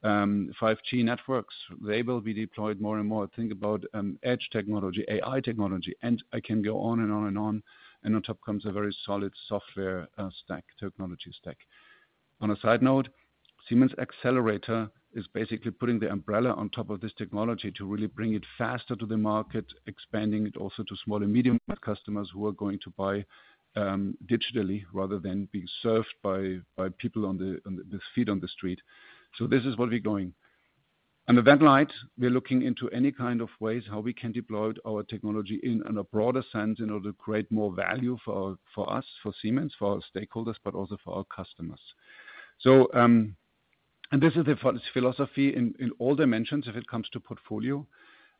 5G networks. They will be deployed more and more. Think about edge technology, AI technology, and I can go on and on and on, and on top comes a very solid software stack, technology stack. On a side note, Siemens Xcelerator is basically putting the umbrella on top of this technology to really bring it faster to the market, expanding it also to small and medium customers who are going to buy digitally rather than being served by people on the feet on the street. This is where we're going. Under that light, we're looking into any kind of ways how we can deploy our technology in a broader sense in order to create more value for us, for Siemens, for our stakeholders, but also for our customers. This is the philosophy in all dimensions, if it comes to portfolio.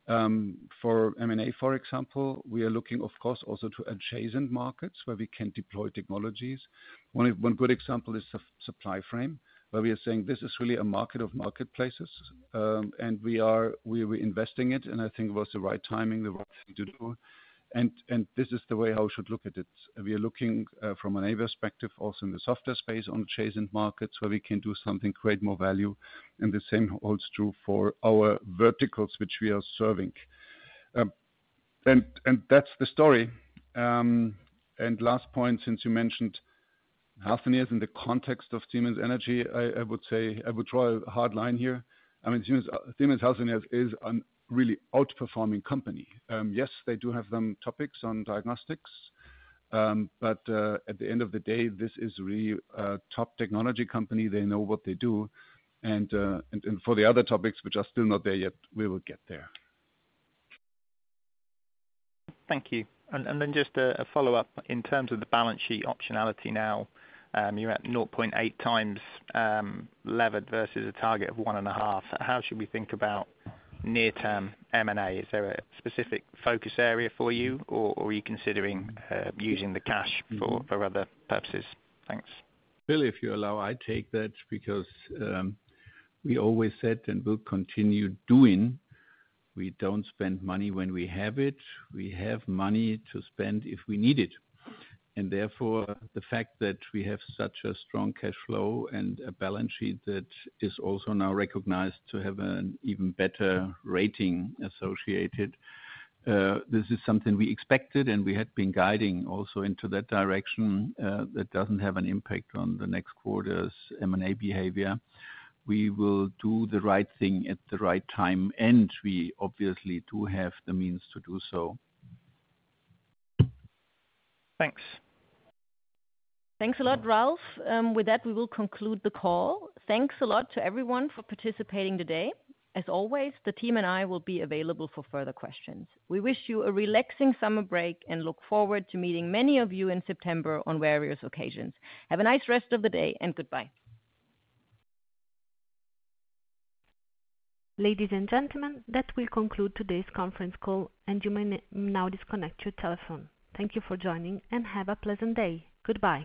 For M&A, for example, we are looking, of course, also to adjacent markets where we can deploy technologies. One good example is Supplyframe, where we are saying this is really a market of marketplaces, and we are, we are investing it, and I think it was the right timing, the right thing to do. This is the way how we should look at it. We are looking from an M&A perspective, also in the software space, on adjacent markets, where we can do something, create more value, and the same holds true for our verticals, which we are serving. That's the story. Last point, since you mentioned Healthineers in the context of Siemens Energy, I, I would say I would draw a hard line here. I mean, Siemens, Siemens Healthineers is an really outperforming company. Yes, they do have some topics on diagnostics, but at the end of the day, this is really a top technology company. They know what they do, and for the other topics, which are still not there yet, we will get there. Thank you. Then just a, a follow-up. In terms of the balance sheet optionality now, you're at 0.8 times levered versus a target of 1.5. How should we think about near-term M&A? Is there a specific focus area for you, or, or are you considering using the cash for, for other purposes? Thanks. Bill, if you allow, I take that because we always said and will continue doing, we don't spend money when we have it. We have money to spend if we need it. Therefore, the fact that we have such a strong cash flow and a balance sheet that is also now recognized to have an even better rating associated, this is something we expected, and we had been guiding also into that direction. That doesn't have an impact on the next quarter's M&A behavior. We will do the right thing at the right time, and we obviously do have the means to do so. Thanks. Thanks a lot, Ralf. With that, we will conclude the call. Thanks a lot to everyone for participating today. As always, the team and I will be available for further questions. We wish you a relaxing summer break and look forward to meeting many of you in September on various occasions. Have a nice rest of the day, and goodbye. Ladies and gentlemen, that will conclude today's conference call, and you may now disconnect your telephone. Thank you for joining, and have a pleasant day. Goodbye.